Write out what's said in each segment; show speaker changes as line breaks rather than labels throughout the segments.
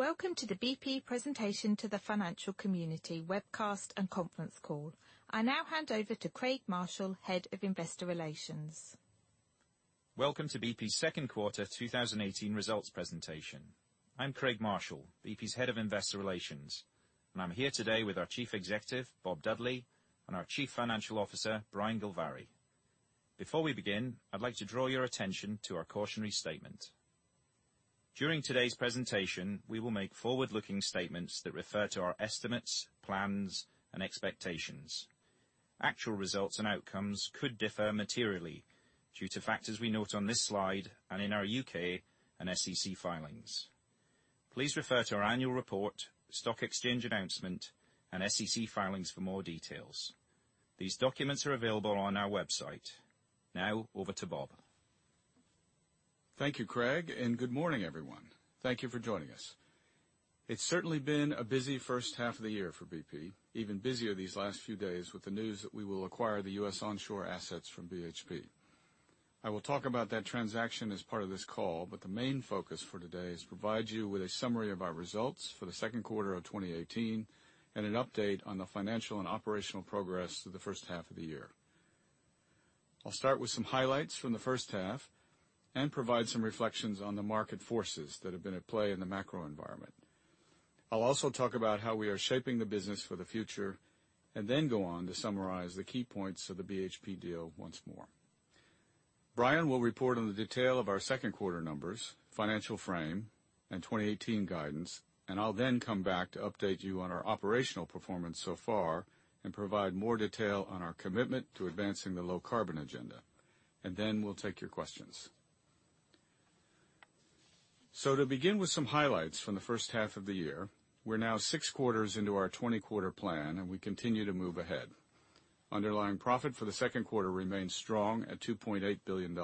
Welcome to the BP presentation to the financial community webcast and conference call. I now hand over to Craig Marshall, Head of Investor Relations.
Welcome to BP's second quarter 2018 results presentation. I'm Craig Marshall, BP's Head of Investor Relations. I'm here today with our Chief Executive, Bob Dudley, and our Chief Financial Officer, Brian Gilvary. Before we begin, I'd like to draw your attention to our cautionary statement. During today's presentation, we will make forward-looking statements that refer to our estimates, plans, and expectations. Actual results and outcomes could differ materially due to factors we note on this slide and in our U.K. and SEC filings. Please refer to our annual report, stock exchange announcement, and SEC filings for more details. These documents are available on our website. Now over to Bob.
Thank you, Craig, and good morning, everyone. Thank you for joining us. It's certainly been a busy first half of the year for BP, even busier these last few days with the news that we will acquire the U.S. onshore assets from BHP. I will talk about that transaction as part of this call, but the main focus for today is to provide you with a summary of our results for the second quarter of 2018, and an update on the financial and operational progress through the first half of the year. I'll start with some highlights from the first half and provide some reflections on the market forces that have been at play in the macro environment. I'll also talk about how we are shaping the business for the future, and then go on to summarize the key points of the BHP deal once more. Brian will report on the detail of our second quarter numbers, financial frame, and 2018 guidance, and I'll then come back to update you on our operational performance so far and provide more detail on our commitment to advancing the low-carbon agenda. Then we'll take your questions. To begin with some highlights from the first half of the year, we're now six quarters into our 20-quarter plan, and we continue to move ahead. Underlying profit for the second quarter remains strong at $2.8 billion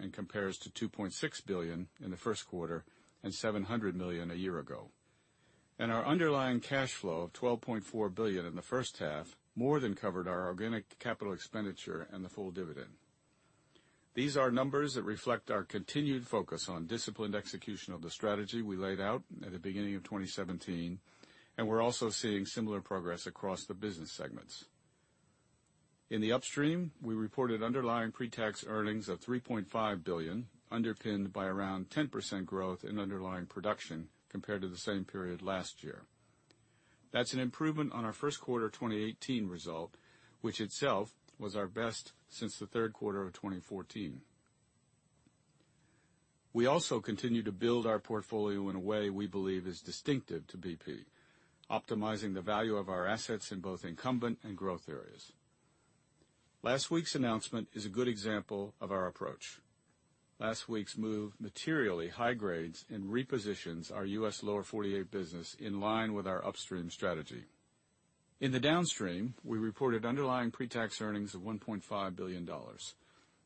and compares to $2.6 billion in the first quarter and $700 million a year ago. Our underlying cash flow of $12.4 billion in the first half more than covered our organic capital expenditure and the full dividend. These are numbers that reflect our continued focus on disciplined execution of the strategy we laid out at the beginning of 2017. We're also seeing similar progress across the business segments. In the upstream, we reported underlying pre-tax earnings of $3.5 billion, underpinned by around 10% growth in underlying production compared to the same period last year. That's an improvement on our first quarter 2018 result, which itself was our best since the third quarter of 2014. We also continue to build our portfolio in a way we believe is distinctive to BP, optimizing the value of our assets in both incumbent and growth areas. Last week's announcement is a good example of our approach. Last week's move materially high grades and repositions our U.S. Lower 48 business in line with our upstream strategy. In the downstream, we reported underlying pre-tax earnings of $1.5 billion.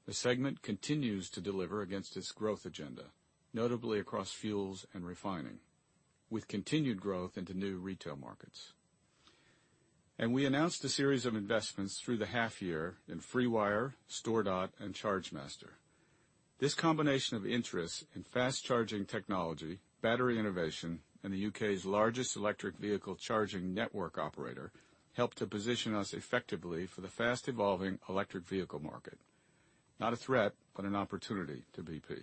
The segment continues to deliver against its growth agenda, notably across fuels and refining, with continued growth into new retail markets. We announced a series of investments through the half year in FreeWire, StoreDot, and Chargemaster. This combination of interests in fast charging technology, battery innovation, and the U.K.'s largest electric vehicle charging network operator help to position us effectively for the fast evolving electric vehicle market. Not a threat, but an opportunity to BP.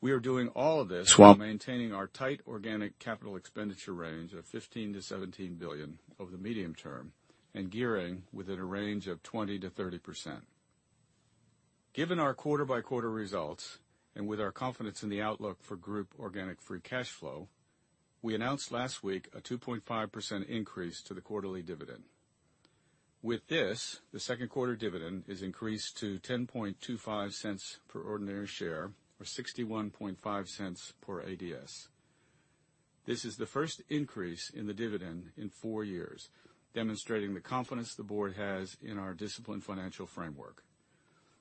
We are doing all of this while maintaining our tight organic CapEx range of $15 billion-$17 billion over the medium term and gearing within a range of 20%-30%. Given our quarter by quarter results and with our confidence in the outlook for group organic free cash flow, we announced last week a 2.5% increase to the quarterly dividend. With this, the second quarter dividend is increased to $0.1025 per ordinary share or $0.615 per ADS. This is the first increase in the dividend in four years, demonstrating the confidence the board has in our disciplined financial framework.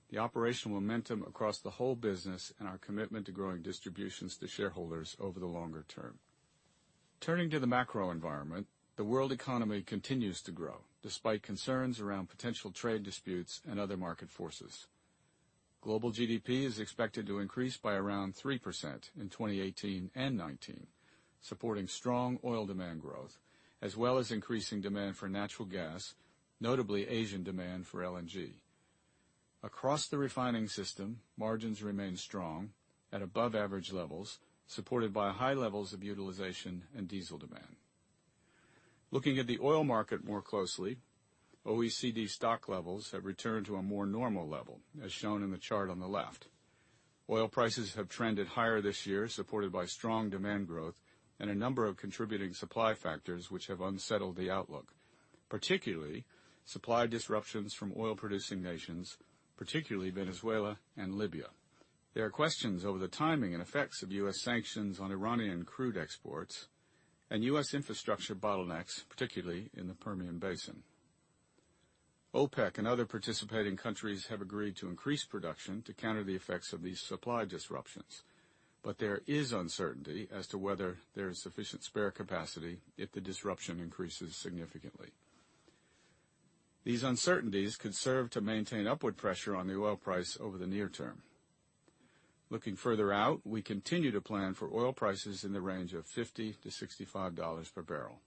The operational momentum across the whole business and our commitment to growing distributions to shareholders over the longer term. Turning to the macro environment, the world economy continues to grow despite concerns around potential trade disputes and other market forces. Global GDP is expected to increase by around 3% in 2018 and 2019, supporting strong oil demand growth, as well as increasing demand for natural gas, notably Asian demand for LNG. Across the refining system, margins remain strong at above average levels, supported by high levels of utilization and diesel demand. Looking at the oil market more closely, OECD stock levels have returned to a more normal level, as shown in the chart on the left. Oil prices have trended higher this year, supported by strong demand growth and a number of contributing supply factors which have unsettled the outlook, particularly supply disruptions from oil-producing nations, particularly Venezuela and Libya. There are questions over the timing and effects of U.S. sanctions on Iranian crude exports and U.S. infrastructure bottlenecks, particularly in the Permian Basin. OPEC and other participating countries have agreed to increase production to counter the effects of these supply disruptions, but there is uncertainty as to whether there is sufficient spare capacity if the disruption increases significantly. These uncertainties could serve to maintain upward pressure on the oil price over the near term. Looking further out, we continue to plan for oil prices in the range of $50 to $65 per barrel.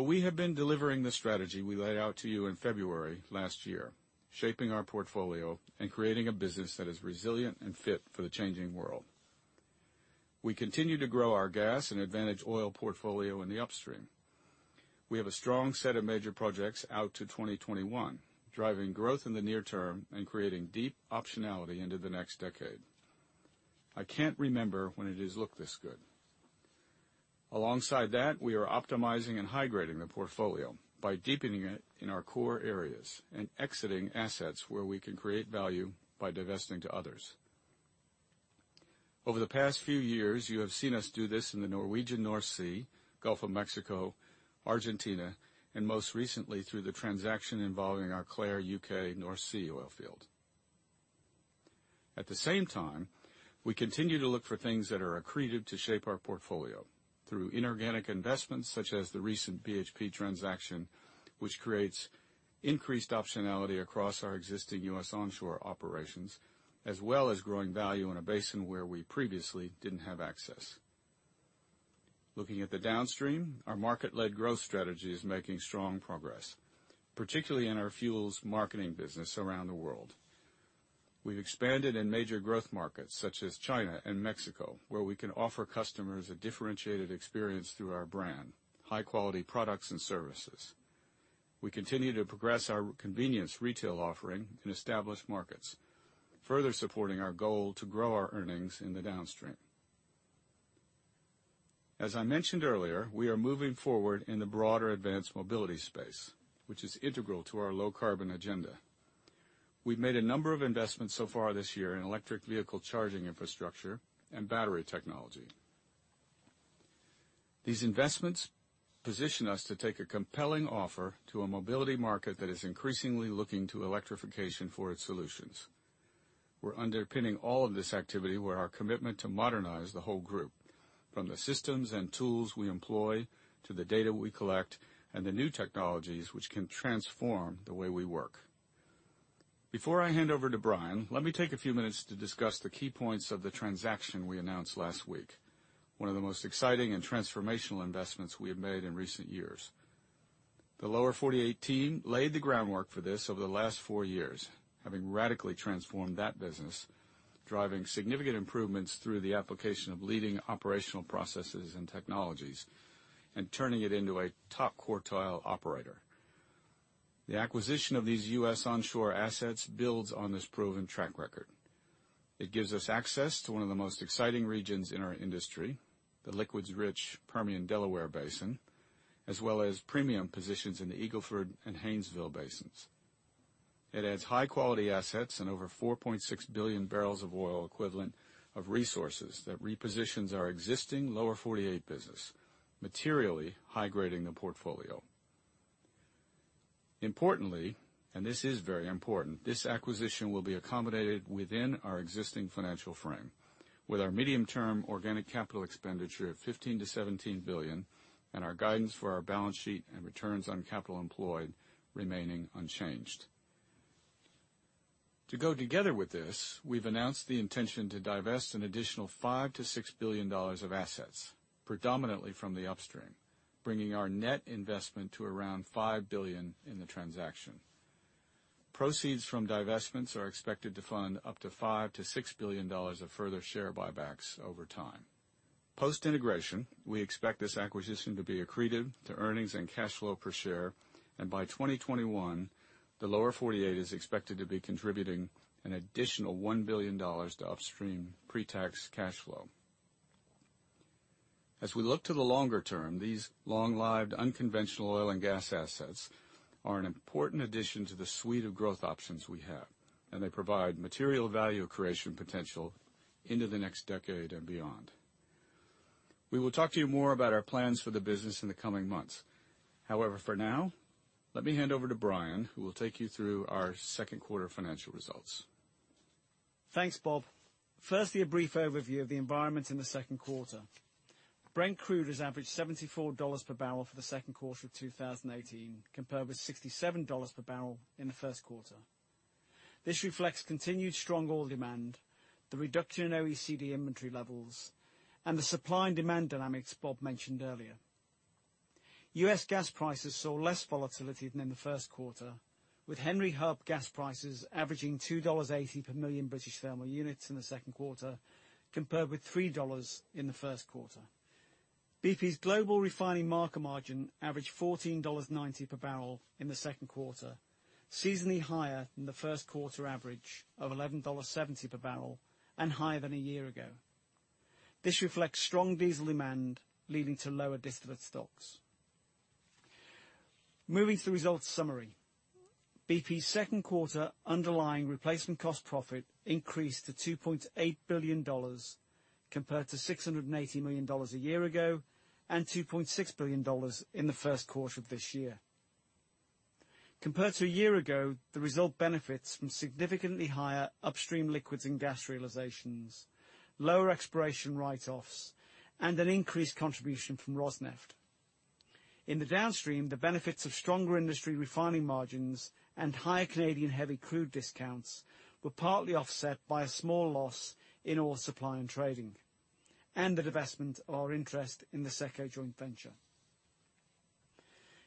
We have been delivering the strategy we laid out to you in February last year, shaping our portfolio and creating a business that is resilient and fit for the changing world. We continue to grow our gas and advantage oil portfolio in the upstream. We have a strong set of major projects out to 2021, driving growth in the near term and creating deep optionality into the next decade. I can't remember when it has looked this good. Alongside that, we are optimizing and high-grading the portfolio by deepening it in our core areas and exiting assets where we can create value by divesting to others. Over the past few years, you have seen us do this in the Norwegian North Sea, Gulf of Mexico, Argentina, and most recently through the transaction involving our Clair, U.K., North Sea oil field. At the same time, we continue to look for things that are accretive to shape our portfolio through inorganic investments such as the recent BHP transaction, which creates increased optionality across our existing U.S. onshore operations, as well as growing value in a basin where we previously didn't have access. Looking at the downstream, our market-led growth strategy is making strong progress, particularly in our fuels marketing business around the world. We've expanded in major growth markets such as China and Mexico, where we can offer customers a differentiated experience through our brand, high-quality products and services. We continue to progress our convenience retail offering in established markets, further supporting our goal to grow our earnings in the downstream. As I mentioned earlier, we are moving forward in the broader advanced mobility space, which is integral to our low-carbon agenda. We've made a number of investments so far this year in electric vehicle charging infrastructure and battery technology. These investments position us to take a compelling offer to a mobility market that is increasingly looking to electrification for its solutions. We're underpinning all of this activity with our commitment to modernize the whole group, from the systems and tools we employ to the data we collect and the new technologies which can transform the way we work. Before I hand over to Brian, let me take a few minutes to discuss the key points of the transaction we announced last week, one of the most exciting and transformational investments we have made in recent years. The Lower 48 team laid the groundwork for this over the last four years, having radically transformed that business, driving significant improvements through the application of leading operational processes and technologies, and turning it into a top-quartile operator. The acquisition of these U.S. onshore assets builds on this proven track record. It gives us access to one of the most exciting regions in our industry, the liquids-rich Permian Delaware Basin, as well as premium positions in the Eagle Ford and Haynesville basins. It adds high-quality assets and over 4.6 billion barrels of oil equivalent of resources that repositions our existing Lower 48 business, materially high-grading the portfolio. Importantly, this is very important, this acquisition will be accommodated within our existing financial frame, with our medium-term organic capital expenditure of $15 billion-$17 billion and our guidance for our balance sheet and returns on capital employed remaining unchanged. To go together with this, we've announced the intention to divest an additional $5 billion-$6 billion of assets, predominantly from the upstream, bringing our net investment to around $5 billion in the transaction. Proceeds from divestments are expected to fund up to $5 billion-$6 billion of further share buybacks over time. Post-integration, we expect this acquisition to be accretive to earnings and cash flow per share, and by 2021, the Lower 48 is expected to be contributing an additional $1 billion to upstream pre-tax cash flow. As we look to the longer term, these long-lived unconventional oil and gas assets are an important addition to the suite of growth options we have. They provide material value creation potential into the next decade and beyond. We will talk to you more about our plans for the business in the coming months. For now, let me hand over to Brian, who will take you through our second quarter financial results.
Thanks, Bob. Firstly, a brief overview of the environment in the second quarter. Brent Crude has averaged $74 per barrel for the second quarter of 2018, compared with $67 per barrel in the first quarter. This reflects continued strong oil demand, the reduction in OECD inventory levels, and the supply and demand dynamics Bob mentioned earlier. U.S. gas prices saw less volatility than in the first quarter, with Henry Hub gas prices averaging $2.80 per million British thermal units in the second quarter, compared with $3 in the first quarter. BP's global refining market margin averaged $14.90 per barrel in the second quarter, seasonally higher than the first quarter average of $11.70 per barrel and higher than a year ago. This reflects strong diesel demand, leading to lower distillate stocks. Moving to the results summary. BP's second quarter underlying replacement cost profit increased to $2.8 billion, compared to $680 million a year ago and $2.6 billion in the first quarter of this year. Compared to a year ago, the result benefits from significantly higher upstream liquids and gas realizations, lower exploration write-offs, and an increased contribution from Rosneft. In the Downstream, the benefits of stronger industry refining margins and higher Canadian heavy crude discounts were partly offset by a small loss in oil supply and trading, and the divestment of our interest in the SECCO joint venture.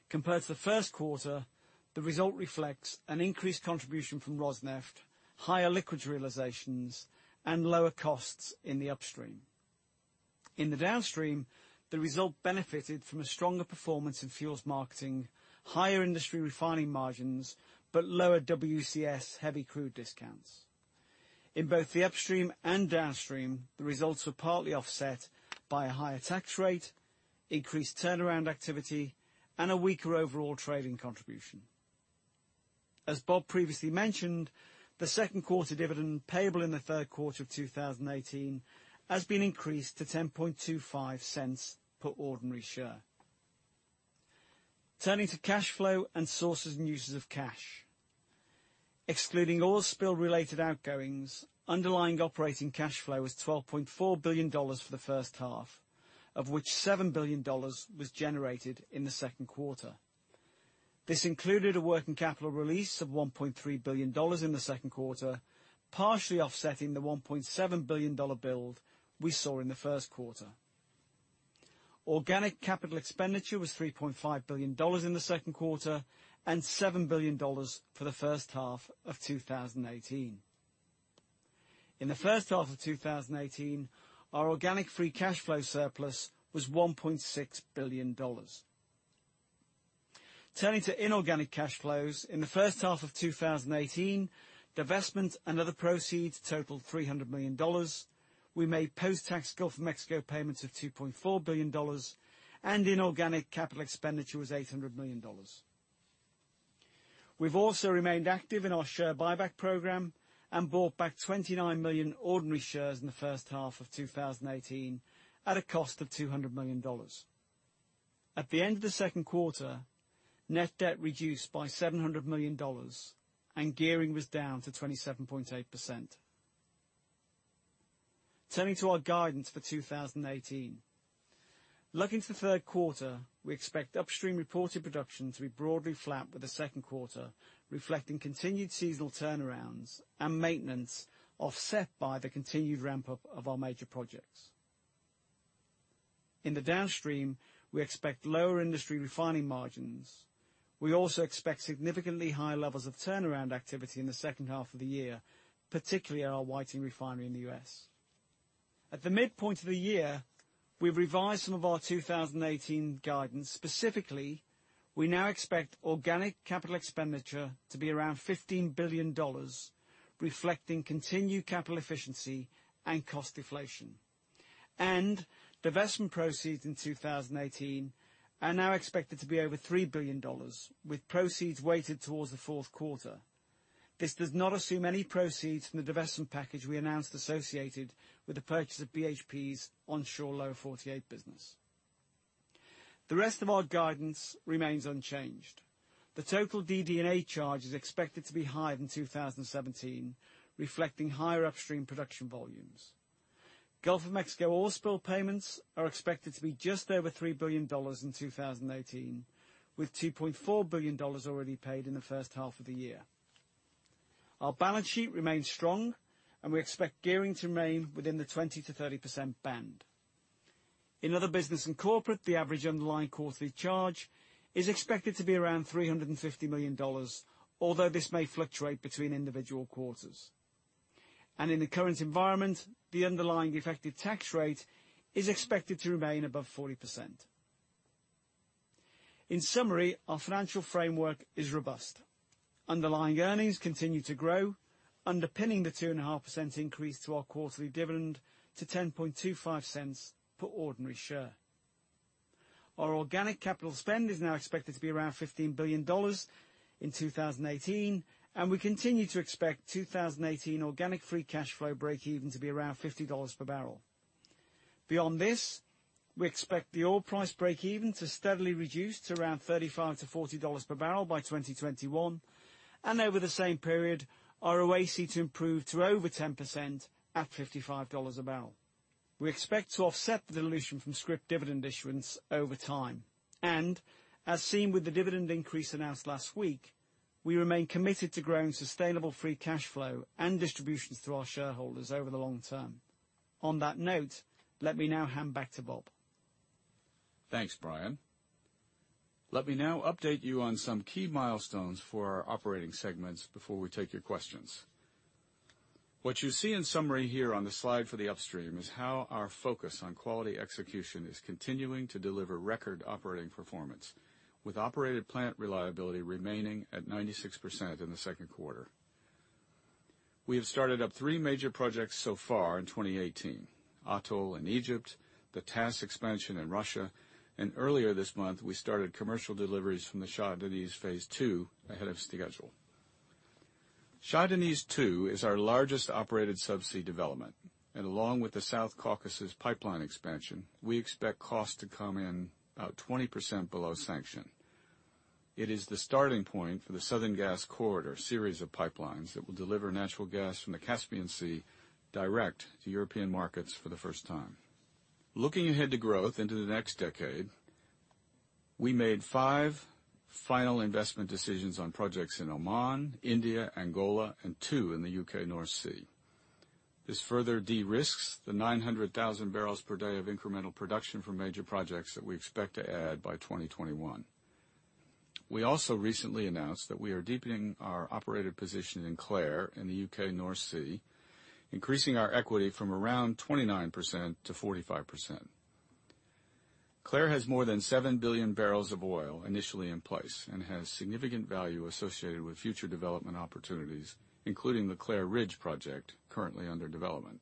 Compared to the first quarter, the result reflects an increased contribution from Rosneft, higher liquids realizations, and lower costs in the Upstream. In the Downstream, the result benefited from a stronger performance in fuels marketing, higher industry refining margins, but lower WCS heavy crude discounts. In both the Upstream and Downstream, the results were partly offset by a higher tax rate, increased turnaround activity, and a weaker overall trading contribution. As Bob previously mentioned, the second quarter dividend payable in the third quarter of 2018 has been increased to $0.1025 per ordinary share. Turning to cash flow and sources and uses of cash. Excluding oil spill related outgoings, underlying operating cash flow was $12.4 billion for the first half, of which $7 billion was generated in the second quarter. This included a working capital release of $1.3 billion in the second quarter, partially offsetting the $1.7 billion build we saw in the first quarter. Organic capital expenditure was $3.5 billion in the second quarter, and $7 billion for the first half of 2018. In the first half of 2018, our organic free cash flow surplus was $1.6 billion. Turning to inorganic cash flows. In the first half of 2018, divestment and other proceeds totaled $300 million. We made post-tax Gulf of Mexico payments of $2.4 billion, and inorganic capital expenditure was $800 million. We've also remained active in our share buyback program and bought back 29 million ordinary shares in the first half of 2018 at a cost of $200 million. At the end of the second quarter, net debt reduced by $700 million, and gearing was down to 27.8%. Turning to our guidance for 2018. Looking to the third quarter, we expect Upstream reported production to be broadly flat with the second quarter, reflecting continued seasonal turnarounds and maintenance offset by the continued ramp-up of our major projects. In the Downstream, we expect lower industry refining margins. We also expect significantly higher levels of turnaround activity in the second half of the year, particularly at our Whiting Refinery in the U.S. At the midpoint of the year, we've revised some of our 2018 guidance. Specifically, we now expect organic capital expenditure to be around $15 billion, reflecting continued capital efficiency and cost deflation, and divestment proceeds in 2018 are now expected to be over $3 billion, with proceeds weighted towards the fourth quarter. This does not assume any proceeds from the divestment package we announced associated with the purchase of BHP's onshore Lower 48 business. The rest of our guidance remains unchanged. The total DD&A charge is expected to be higher than 2017, reflecting higher upstream production volumes. Gulf of Mexico oil spill payments are expected to be just over $3 billion in 2018, with $2.4 billion already paid in the first half of the year. Our balance sheet remains strong, and we expect gearing to remain within the 20%-30% band. In other business and corporate, the average underlying quarterly charge is expected to be around $350 million, although this may fluctuate between individual quarters. In the current environment, the underlying effective tax rate is expected to remain above 40%. In summary, our financial framework is robust. Underlying earnings continue to grow, underpinning the 2.5% increase to our quarterly dividend to $0.1025 per ordinary share. Our organic capital spend is now expected to be around $15 billion in 2018, and we continue to expect 2018 organic free cash flow breakeven to be around $50 per barrel. Beyond this, we expect the oil price breakeven to steadily reduce to around $35-$40 per barrel by 2021, and over the same period, our ROACE to improve to over 10% at $55 a barrel. We expect to offset the dilution from scrip dividend issuance over time. As seen with the dividend increase announced last week, we remain committed to growing sustainable free cash flow and distributions to our shareholders over the long term. On that note, let me now hand back to Bob.
Thanks, Brian. Let me now update you on some key milestones for our operating segments before we take your questions. What you see in summary here on the slide for the Upstream is how our focus on quality execution is continuing to deliver record operating performance, with operated plant reliability remaining at 96% in the second quarter. We have started up three major projects so far in 2018, Atoll in Egypt, the Tas expansion in Russia, and earlier this month, we started commercial deliveries from the Shah Deniz Phase 2 ahead of schedule. Shah Deniz 2 is our largest operated subsea development, and along with the South Caucasus Pipeline expansion, we expect costs to come in about 20% below sanction. It is the starting point for the Southern Gas Corridor series of pipelines that will deliver natural gas from the Caspian Sea direct to European markets for the first time. Looking ahead to growth into the next decade, we made five final investment decisions on projects in Oman, India, Angola and two in the U.K. North Sea. This further de-risks the 900,000 barrels per day of incremental production from major projects that we expect to add by 2021. We also recently announced that we are deepening our operator position in Clair in the U.K. North Sea, increasing our equity from around 29% to 45%. Clair has more than 7 billion barrels of oil initially in place and has significant value associated with future development opportunities, including the Clair Ridge project currently under development.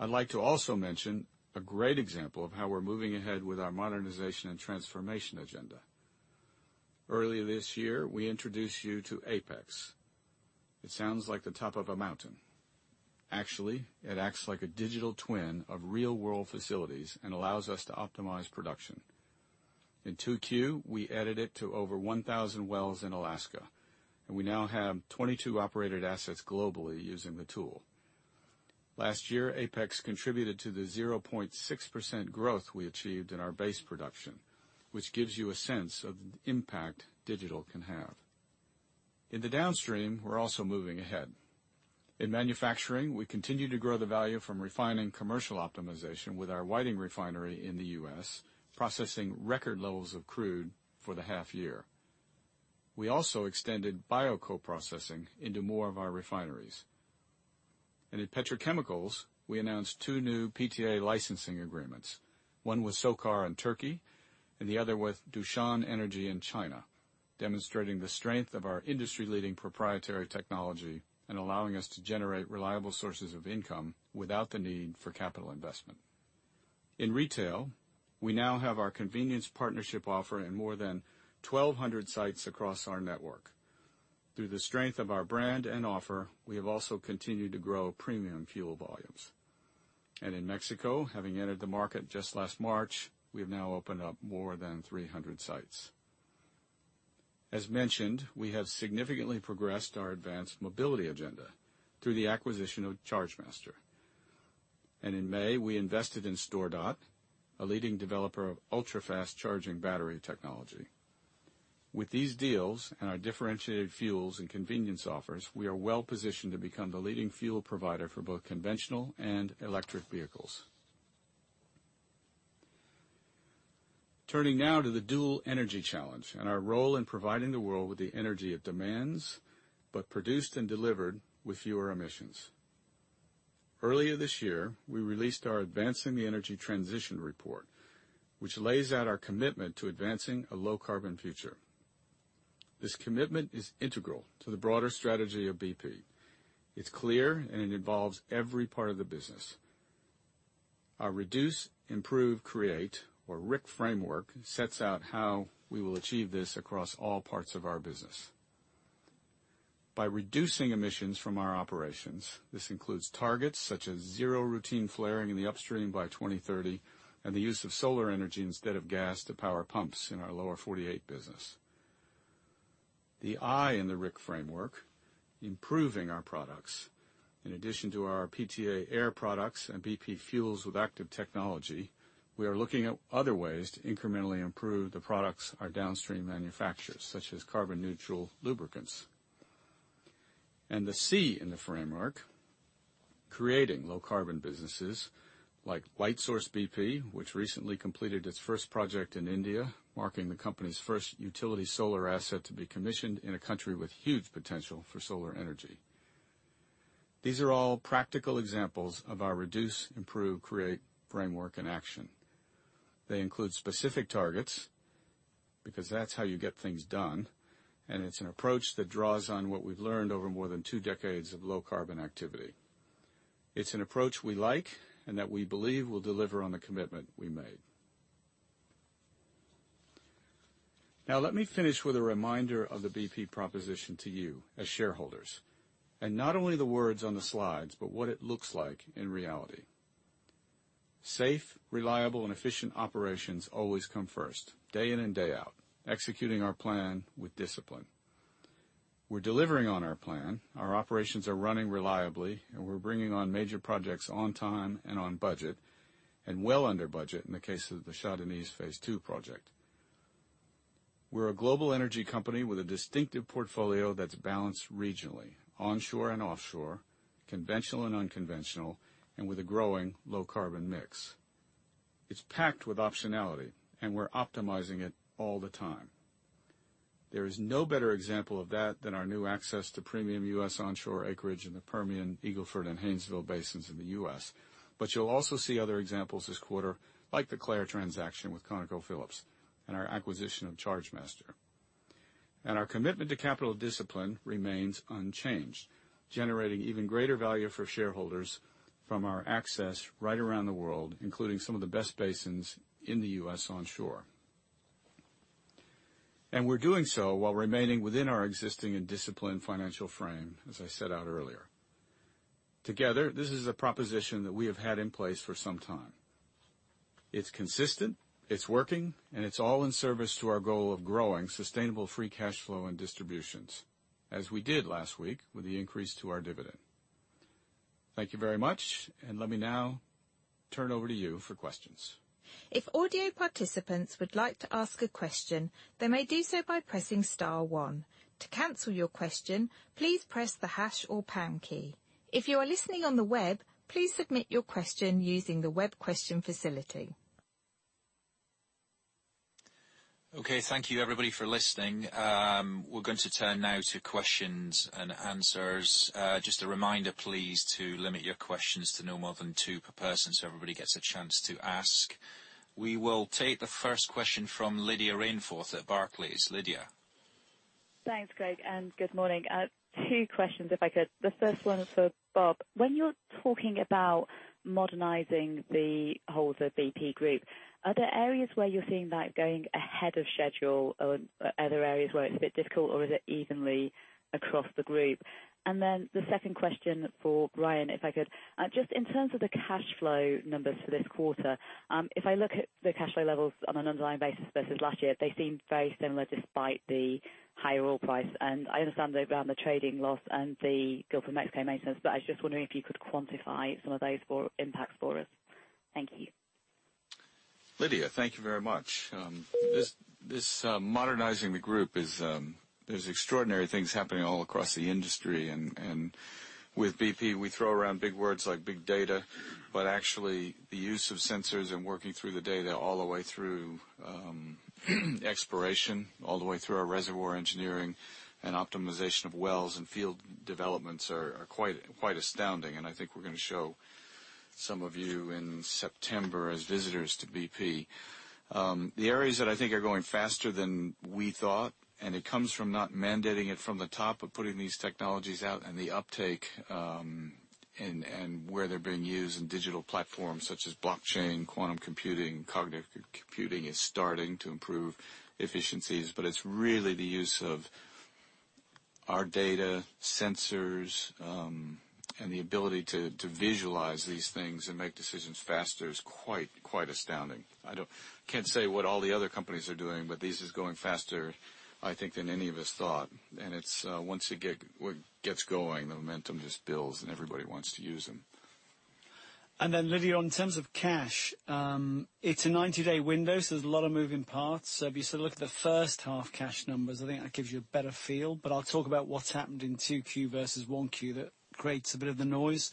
I'd like to also mention a great example of how we're moving ahead with our modernization and transformation agenda. Early this year, we introduced you to APEX. It sounds like the top of a mountain. Actually, it acts like a digital twin of real-world facilities and allows us to optimize production. In 2Q, we added it to over 1,000 wells in Alaska, and we now have 22 operated assets globally using the tool. Last year, APEX contributed to the 0.6% growth we achieved in our base production, which gives you a sense of the impact digital can have. In the downstream, we're also moving ahead. In manufacturing, we continue to grow the value from refining commercial optimization with our Whiting Refinery in the U.S., processing record levels of crude for the half year. We also extended bio-co-processing into more of our refineries. In petrochemicals, we announced two new PTA licensing agreements, one with SOCAR in Turkey and the other with Dushan Energy in China, demonstrating the strength of our industry-leading proprietary technology and allowing us to generate reliable sources of income without the need for capital investment. In retail, we now have our convenience partnership offer in more than 1,200 sites across our network. Through the strength of our brand and offer, we have also continued to grow premium fuel volumes. In Mexico, having entered the market just last March, we have now opened up more than 300 sites. As mentioned, we have significantly progressed our advanced mobility agenda through the acquisition of Chargemaster. In May, we invested in StoreDot, a leading developer of ultra-fast charging battery technology. With these deals and our differentiated fuels and convenience offers, we are well positioned to become the leading fuel provider for both conventional and electric vehicles. Turning now to the dual energy challenge and our role in providing the world with the energy it demands, but produced and delivered with fewer emissions. Earlier this year, we released our Advancing the Energy Transition Report, which lays out our commitment to advancing a low carbon future. This commitment is integral to the broader strategy of BP. It's clear and it involves every part of the business. Our Reduce, Improve, Create, or RIC framework sets out how we will achieve this across all parts of our business. By reducing emissions from our operations, this includes targets such as zero routine flaring in the upstream by 2030 and the use of solar energy instead of gas to power pumps in our Lower 48 business. The I in the RIC framework, improving our products. In addition to our PTAir products and BP fuels with active technology, we are looking at other ways to incrementally improve the products our downstream manufactures, such as carbon neutral lubricants. The C in the framework, creating low carbon businesses like Lightsource BP, which recently completed its first project in India, marking the company's first utility solar asset to be commissioned in a country with huge potential for solar energy. These are all practical examples of our Reduce, Improve, Create framework in action. They include specific targets because that's how you get things done, and it's an approach that draws on what we've learned over more than two decades of low carbon activity. It's an approach we like and that we believe will deliver on the commitment we made. Now, let me finish with a reminder of the BP proposition to you as shareholders, and not only the words on the slides, but what it looks like in reality. Safe, reliable, and efficient operations always come first, day in and day out, executing our plan with discipline. We're delivering on our plan. Our operations are running reliably, and we're bringing on major projects on time and on budget, and well under budget in the case of the Shah Deniz Phase 2 project. We're a global energy company with a distinctive portfolio that's balanced regionally, onshore and offshore, conventional and unconventional, and with a growing low carbon mix. It's packed with optionality, and we're optimizing it all the time. There is no better example of that than our new access to premium U.S. onshore acreage in the Permian, Eagle Ford, and Haynesville basins in the U.S. You'll also see other examples this quarter, like the Clair transaction with ConocoPhillips and our acquisition of Chargemaster. Our commitment to capital discipline remains unchanged, generating even greater value for shareholders from our access right around the world, including some of the best basins in the U.S. onshore. We're doing so while remaining within our existing and disciplined financial frame, as I set out earlier. Together, this is a proposition that we have had in place for some time. It's consistent, it's working, and it's all in service to our goal of growing sustainable free cash flow and distributions, as we did last week with the increase to our dividend. Thank you very much, and let me now turn over to you for questions.
If audio participants would like to ask a question, they may do so by pressing star one. To cancel your question, please press the hash or pound key. If you are listening on the web, please submit your question using the web question facility.
Okay, thank you everybody for listening. We're going to turn now to questions and answers. Just a reminder, please, to limit your questions to no more than two per person so everybody gets a chance to ask. We will take the first question from Lydia Rainforth at Barclays. Lydia.
Thanks, Craig, and good morning. Two questions, if I could. The first one is for Bob. When you're talking about modernizing the whole of BP group, are there areas where you're seeing that going ahead of schedule, or are there areas where it's a bit difficult, or is it evenly across the group? The second question for Brian, if I could. Just in terms of the cash flow numbers for this quarter, if I look at the cash flow levels on an underlying basis versus last year, they seem very similar despite the higher oil price. I understand around the trading loss and the Gulf of Mexico maintenance, but I was just wondering if you could quantify some of those impacts for us. Thank you.
Lydia, thank you very much. This modernizing the group is, there's extraordinary things happening all across the industry. With BP, we throw around big words like big data, but actually the use of sensors and working through the data all the way through exploration, all the way through our reservoir engineering, and optimization of wells and field developments are quite astounding. I think we're going to show some of you in September as visitors to BP. The areas that I think are going faster than we thought, and it comes from not mandating it from the top, but putting these technologies out and the uptake, and where they're being used in digital platforms such as blockchain, quantum computing, cognitive computing is starting to improve efficiencies. It's really the use of our data, sensors, and the ability to visualize these things and make decisions faster is quite astounding. I can't say what all the other companies are doing, this is going faster, I think, than any of us thought. It's once it gets going, the momentum just builds, and everybody wants to use them.
Lydia, on terms of cash, it's a 90-day window, there's a lot of moving parts. If you look at the first half cash numbers, I think that gives you a better feel. I'll talk about what's happened in 2Q versus 1Q that creates a bit of the noise.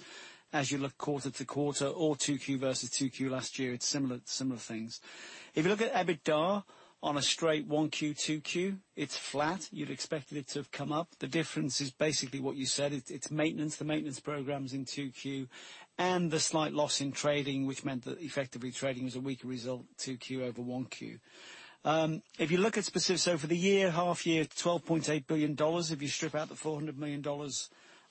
As you look quarter-to-quarter or 2Q versus 2Q last year, it's similar things. If you look at EBITDA on a straight 1Q, 2Q, it's flat. You'd expect it to have come up. The difference is basically what you said, it's maintenance. The maintenance program's in 2Q and the slight loss in trading, which meant that effectively trading was a weaker result, 2Q over 1Q. If you look at specifics over the year, half year, GBP 12.8 billion, if you strip out the GBP 400 million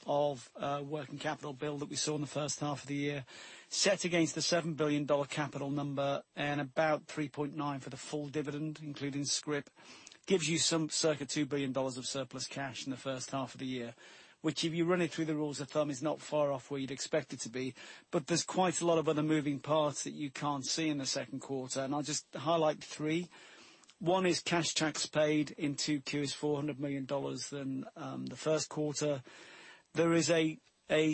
of working capital bill that we saw in the first half of the year. Set against the GBP 7 billion capital number and about 3.9 for the full dividend, including scrip, gives you some circa GBP 2 billion of surplus cash in the first half of the year. Which if you run it through the rules of thumb, is not far off where you'd expect it to be. There's quite a lot of other moving parts that you can't see in the second quarter, and I'll just highlight three. One is cash tax paid in 2Q is GBP 400 million than the first quarter. There is a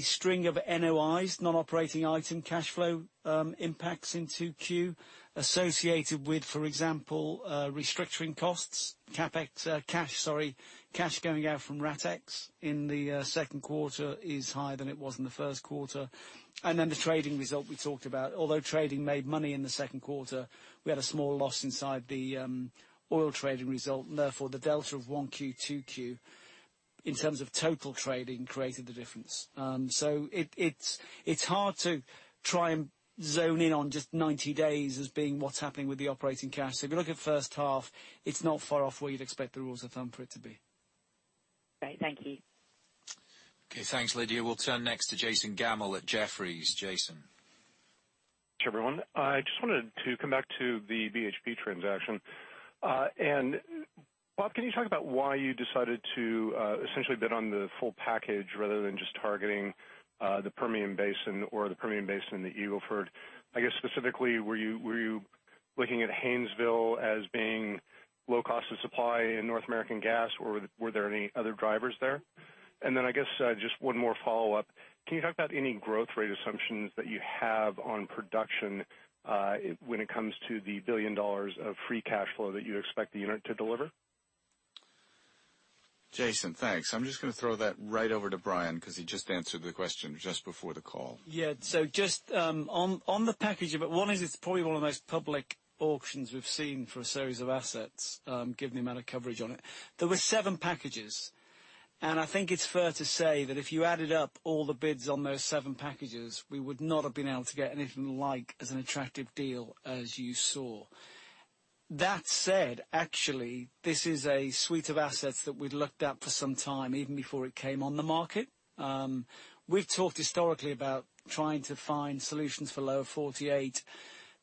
string of NOIs, Non-Operating Items cash flow impacts in 2Q associated with, for example, restructuring costs, CapEx. Cash going out from CapEx in the second quarter is higher than it was in the first quarter. The trading result we talked about. Although trading made money in the second quarter, we had a small loss inside the oil trading result, and therefore the delta of 1Q, 2Q in terms of total trading created the difference. It's hard to try and zone in on just 90 days as being what's happening with the operating cash. If you look at first half, it's not far off where you'd expect the rules of thumb for it to be.
Great. Thank you.
Okay. Thanks, Lydia. We'll turn next to Jason Gammel at Jefferies. Jason.
Sure, everyone. I just wanted to come back to the BHP transaction. Bob, can you talk about why you decided to essentially bid on the full package rather than just targeting the Permian Basin or the Permian Basin that you offered? I guess specifically, were you looking at Haynesville as being low cost of supply in North American gas, or were there any other drivers there? I guess just one more follow-up. Can you talk about any growth rate assumptions that you have on production when it comes to the $1 billion of free cash flow that you expect the unit to deliver?
Jason, thanks. I'm just going to throw that right over to Brian because he just answered the question just before the call.
Just on the package of it, one is it's probably one of the most public auctions we've seen for a series of assets, given the amount of coverage on it. There were 7 packages. I think it's fair to say that if you added up all the bids on those 7 packages, we would not have been able to get anything like as an attractive deal as you saw. That said, actually, this is a suite of assets that we'd looked at for some time, even before it came on the market. We've talked historically about trying to find solutions for Lower 48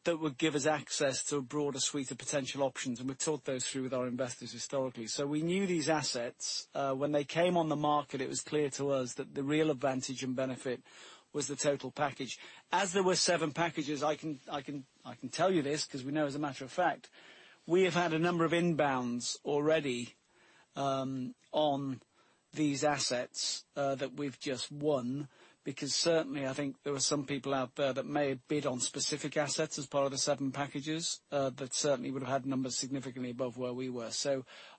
that would give us access to a broader suite of potential options, and we've talked those through with our investors historically. We knew these assets. When they came on the market, it was clear to us that the real advantage and benefit was the total package. As there were 7 packages, I can tell you this because we know as a matter of fact. We have had a number of inbounds already on these assets that we've just won, because certainly, I think there are some people out there that may have bid on specific assets as part of the 7 packages. That certainly would've had numbers significantly above where we were.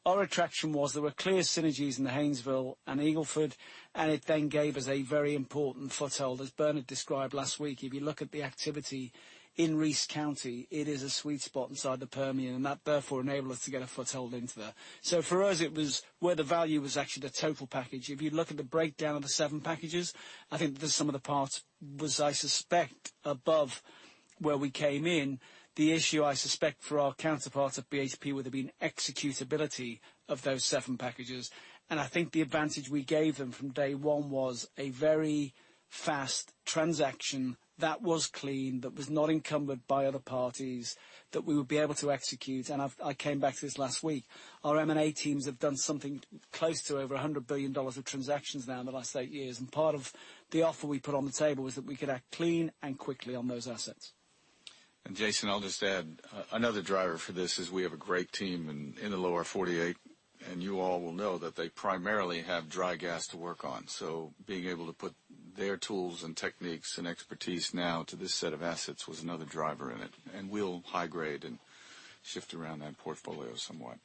Our attraction was there were clear synergies in the Haynesville and Eagle Ford, and it then gave us a very important foothold, as Bernard described last week. If you look at the activity in Reeves County, it is a sweet spot inside the Permian, and that therefore enabled us to get a foothold into there. For us, it was where the value was actually the total package. If you look at the breakdown of the 7 packages, I think the sum of the parts was, I suspect, above where we came in. The issue, I suspect, for our counterparts at BHP would have been executability of those 7 packages. I think the advantage we gave them from day one was a very fast transaction that was clean, that was not encumbered by other parties, that we would be able to execute. I came back to this last week. Our M&A teams have done something close to over $100 billion of transactions now in the last eight years. Part of the offer we put on the table was that we could act clean and quickly on those assets.
Jason, I'll just add, another driver for this is we have a great team in the Lower 48, and you all will know that they primarily have dry gas to work on. Being able to put their tools and techniques and expertise now to this set of assets was another driver in it, and we'll high grade and shift around that portfolio somewhat.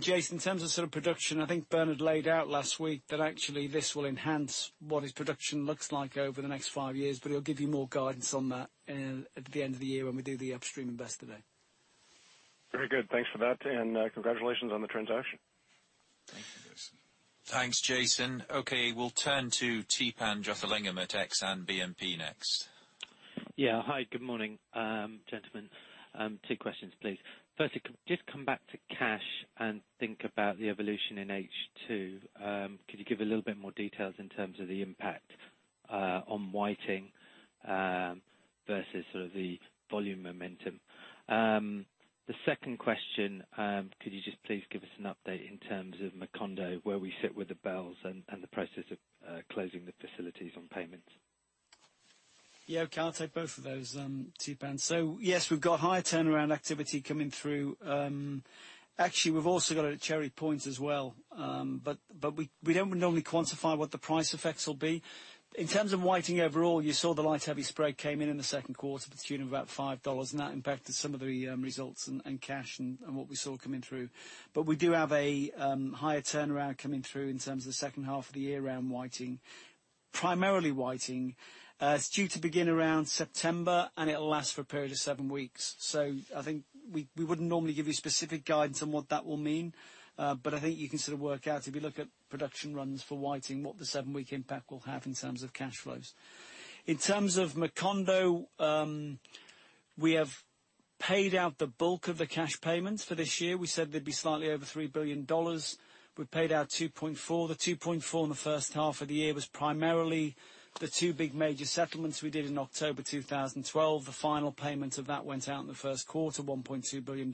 Jason, in terms of sort of production, I think Bernard laid out last week that actually this will enhance what his production looks like over the next five years, but he'll give you more guidance on that at the end of the year when we do the upstream investor day.
Very good. Thanks for that, and congratulations on the transaction.
Thank you, Jason.
Thanks, Jason. We'll turn to Theepan Jothilingam at Exane BNP next.
Hi, good morning, gentlemen. Two questions, please. Firstly, just come back to cash and think about the evolution in H2. Could you give a little bit more details in terms of the impact on Whiting versus the volume momentum? The second question, could you just please give us an update in terms of Macondo, where we sit with the BELs and the process of closing the facilities on payments?
I'll take both of those, Theepan. Yes, we've got higher turnaround activity coming through. Actually, we've also got it at Cherry Point as well. We don't normally quantify what the price effects will be. In terms of Whiting overall, you saw the light heavy spread came in the second quarter to the tune of about $5, and that impacted some of the results and cash and what we saw coming through. We do have a higher turnaround coming through in terms of the second half of the year around Whiting. Primarily Whiting. It's due to begin around September, and it will last for a period of seven weeks. I think we wouldn't normally give you specific guidance on what that will mean. I think you can sort of work out, if you look at production runs for Whiting, what the seven-week impact will have in terms of cash flows. In terms of Macondo, we have paid out the bulk of the cash payments for this year. We said they'd be slightly over $3 billion. We've paid out $2.4 billion. The $2.4 billion in the first half of the year was primarily the two big major settlements we did in October 2012. The final payment of that went out in the first quarter, $1.2 billion.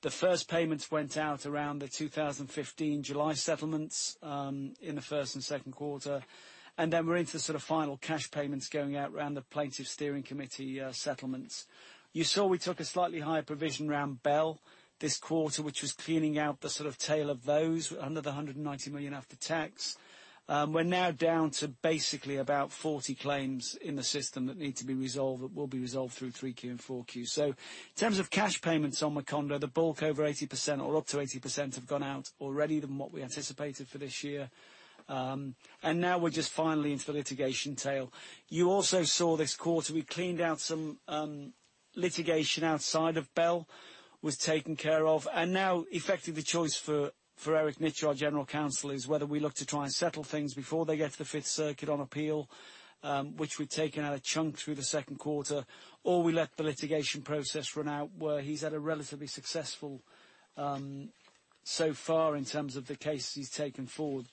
The first payments went out around the 2015 July settlements, in the first and second quarter. Then we're into the sort of final cash payments going out around the plaintiffs' steering committee settlements. You saw we took a slightly higher provision around BEL this quarter, which was cleaning out the sort of tail of those, under the $190 million after tax. We're now down to basically about 40 claims in the system that need to be resolved, that will be resolved through Q3 and Q4. In terms of cash payments on Macondo, the bulk, over 80% or up to 80%, have gone out already than what we anticipated for this year. Now we're just finally into the litigation tail. You also saw this quarter we cleaned out some litigation outside of BEL, was taken care of. Now effectively choice for Eric Nitcher, our general counsel, is whether we look to try and settle things before they get to the Fifth Circuit on appeal, which we've taken out a chunk through the second quarter, or we let the litigation process run out, where he's had a relatively successful so far in terms of the cases he's taken forward.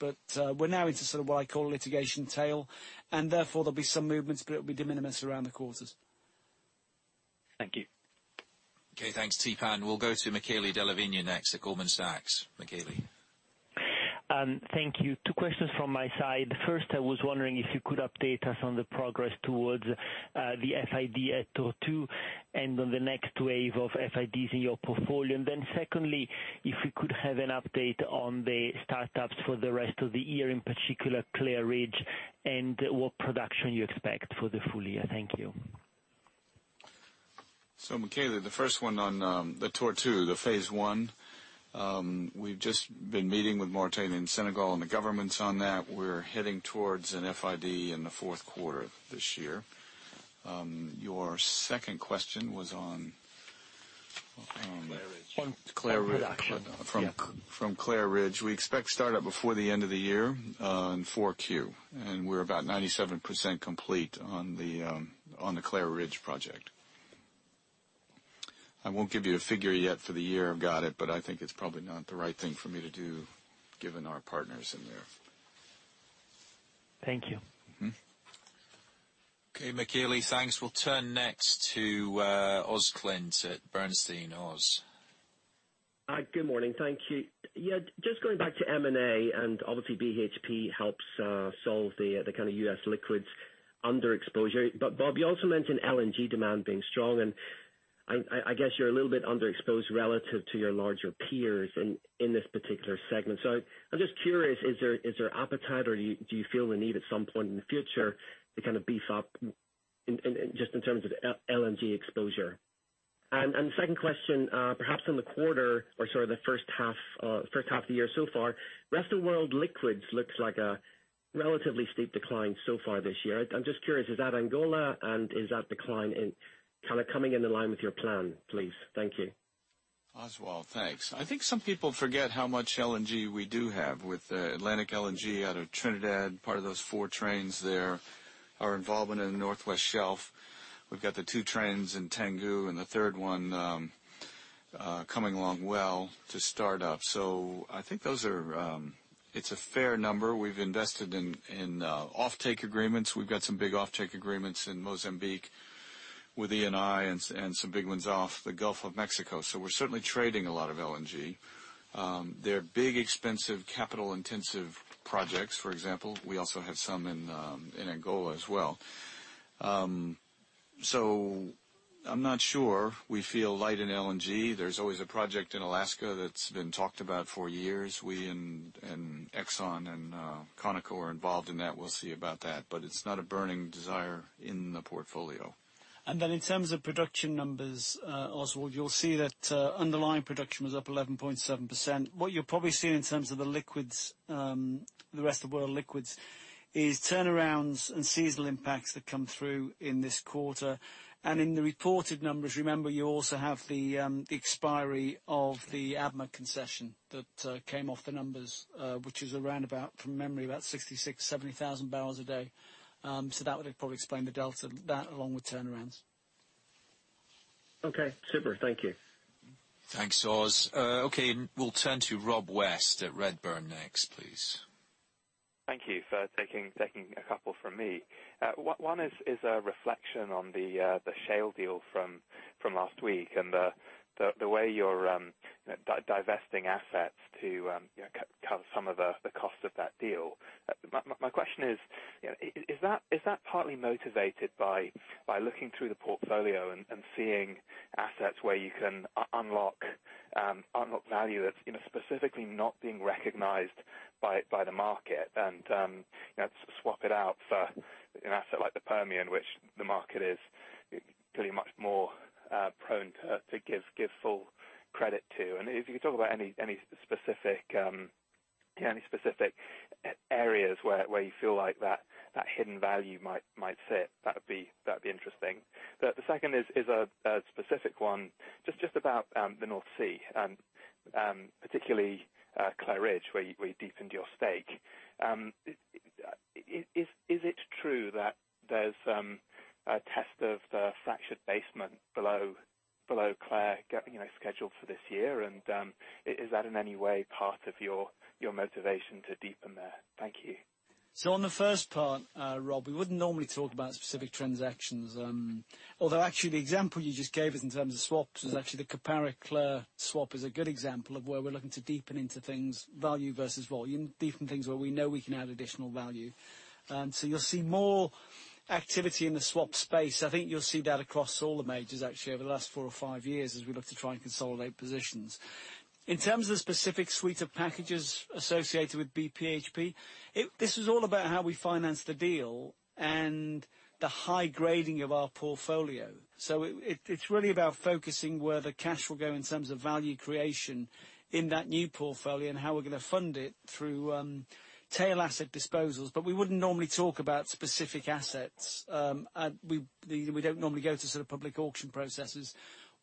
We're now into sort of what I call litigation tail, and therefore, there'll be some movements, but it'll be de minimis around the quarters.
Thank you.
Thanks, Theepan. We'll go to Michele Della Vigna next at Goldman Sachs. Michele.
Thank you. Two questions from my side. First, I was wondering if you could update us on the progress towards the FID at Tortue and on the next wave of FIDs in your portfolio. Secondly, if we could have an update on the startups for the rest of the year, in particular Clair Ridge, and what production you expect for the full year. Thank you.
Michele, the first one on the Tortue, the phase 1. We've just been meeting with Martin in Senegal and the governments on that. We're heading towards an FID in the fourth quarter this year. Your second question was on
Clair Ridge.
On production.
From Clair Ridge. We expect startup before the end of the year, in Q4. We're about 97% complete on the Clair Ridge project. I won't give you a figure yet for the year, I've got it, but I think it's probably not the right thing for me to do given our partners in there.
Thank you.
Okay, Michele, thanks. We'll turn next to Oz Clint at Sanford C. Bernstein. Oz.
Hi, good morning. Thank you. Yeah, just going back to M&A, obviously BHP helps solve the kind of U.S. liquids underexposure. Bob, you also mentioned LNG demand being strong, I guess you're a little bit underexposed relative to your larger peers in this particular segment. I'm just curious, is there appetite or do you feel the need at some point in the future to kind of beef up just in terms of LNG exposure? Second question, perhaps on the quarter or sort of the first half of the year so far, rest of world liquids looks like a relatively steep decline so far this year. I'm just curious, is that Angola, and is that decline kind of coming into line with your plan, please? Thank you.
Oswald, thanks. I think some people forget how much LNG we do have with Atlantic LNG out of Trinidad, part of those four trains there. Our involvement in the Northwest Shelf. We've got the two trains in Tangguh and the third one coming along well to start up. I think it's a fair number. We've invested in off-take agreements. We've got some big off-take agreements in Mozambique with Eni and some big ones off the Gulf of Mexico. We're certainly trading a lot of LNG. They're big, expensive, capital-intensive projects, for example. We also have some in Angola as well. I'm not sure we feel light in LNG. There's always a project in Alaska that's been talked about for years. We and Exxon and Conoco are involved in that. We'll see about that, it's not a burning desire in the portfolio.
In terms of production numbers, Oswald, you'll see that underlying production was up 11.7%. What you'll probably see in terms of the rest of world liquids is turnarounds and seasonal impacts that come through in this quarter. In the reported numbers, remember, you also have the expiry of the ADMA concession that came off the numbers, which is around about, from memory, about 66,000, 70,000 barrels a day. That would probably explain the delta, that along with turnarounds.
Okay, super. Thank you.
Thanks, Oz. Okay, we'll turn to Rob West at Redburn next, please.
Thank you for taking a couple from me. One is a reflection on the shale deal from last week and the way you're divesting assets to cover some of the cost of that deal. My question is that partly motivated by looking through the portfolio and seeing assets where you can unlock value that's specifically not being recognized by the market and swap it out for an asset like the Permian, which the market is pretty much more prone to give full credit to? If you could talk about any specific areas where you feel like that hidden value might sit, that'd be interesting. The second is a specific one, just about the North Sea, particularly Clair Ridge, where you deepened your stake. Is it true that there's a test of the fractured basement below Clair scheduled for this year? Is that in any way part of your motivation to deepen there? Thank you.
On the first part, Rob, we wouldn't normally talk about specific transactions. Although actually the example you just gave us in terms of swaps was actually the ConocoPhillips Clair swap is a good example of where we're looking to deepen into things value versus volume, deepen things where we know we can add additional value. You'll see more activity in the swap space. I think you'll see that across all the majors actually over the last four or five years as we look to try and consolidate positions. In terms of the specific suite of packages associated with BHP, this was all about how we finance the deal and the high grading of our portfolio. It's really about focusing where the cash will go in terms of value creation in that new portfolio and how we're going to fund it through tail asset disposals. We wouldn't normally talk about specific assets. We don't normally go to sort of public auction processes.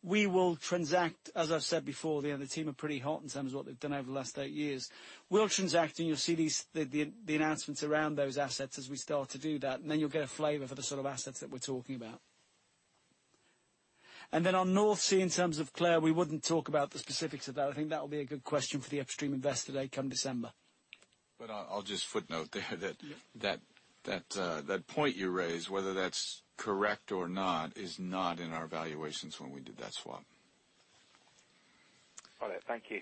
We will transact, as I've said before, the team are pretty hot in terms of what they've done over the last eight years. We'll transact, and you'll see the announcements around those assets as we start to do that, and then you'll get a flavor for the sort of assets that we're talking about. On North Sea, in terms of Clair, we wouldn't talk about the specifics of that. I think that will be a good question for the upstream investor day come December.
I'll just footnote there that point you raised, whether that's correct or not, is not in our valuations when we did that swap.
Got it. Thank you.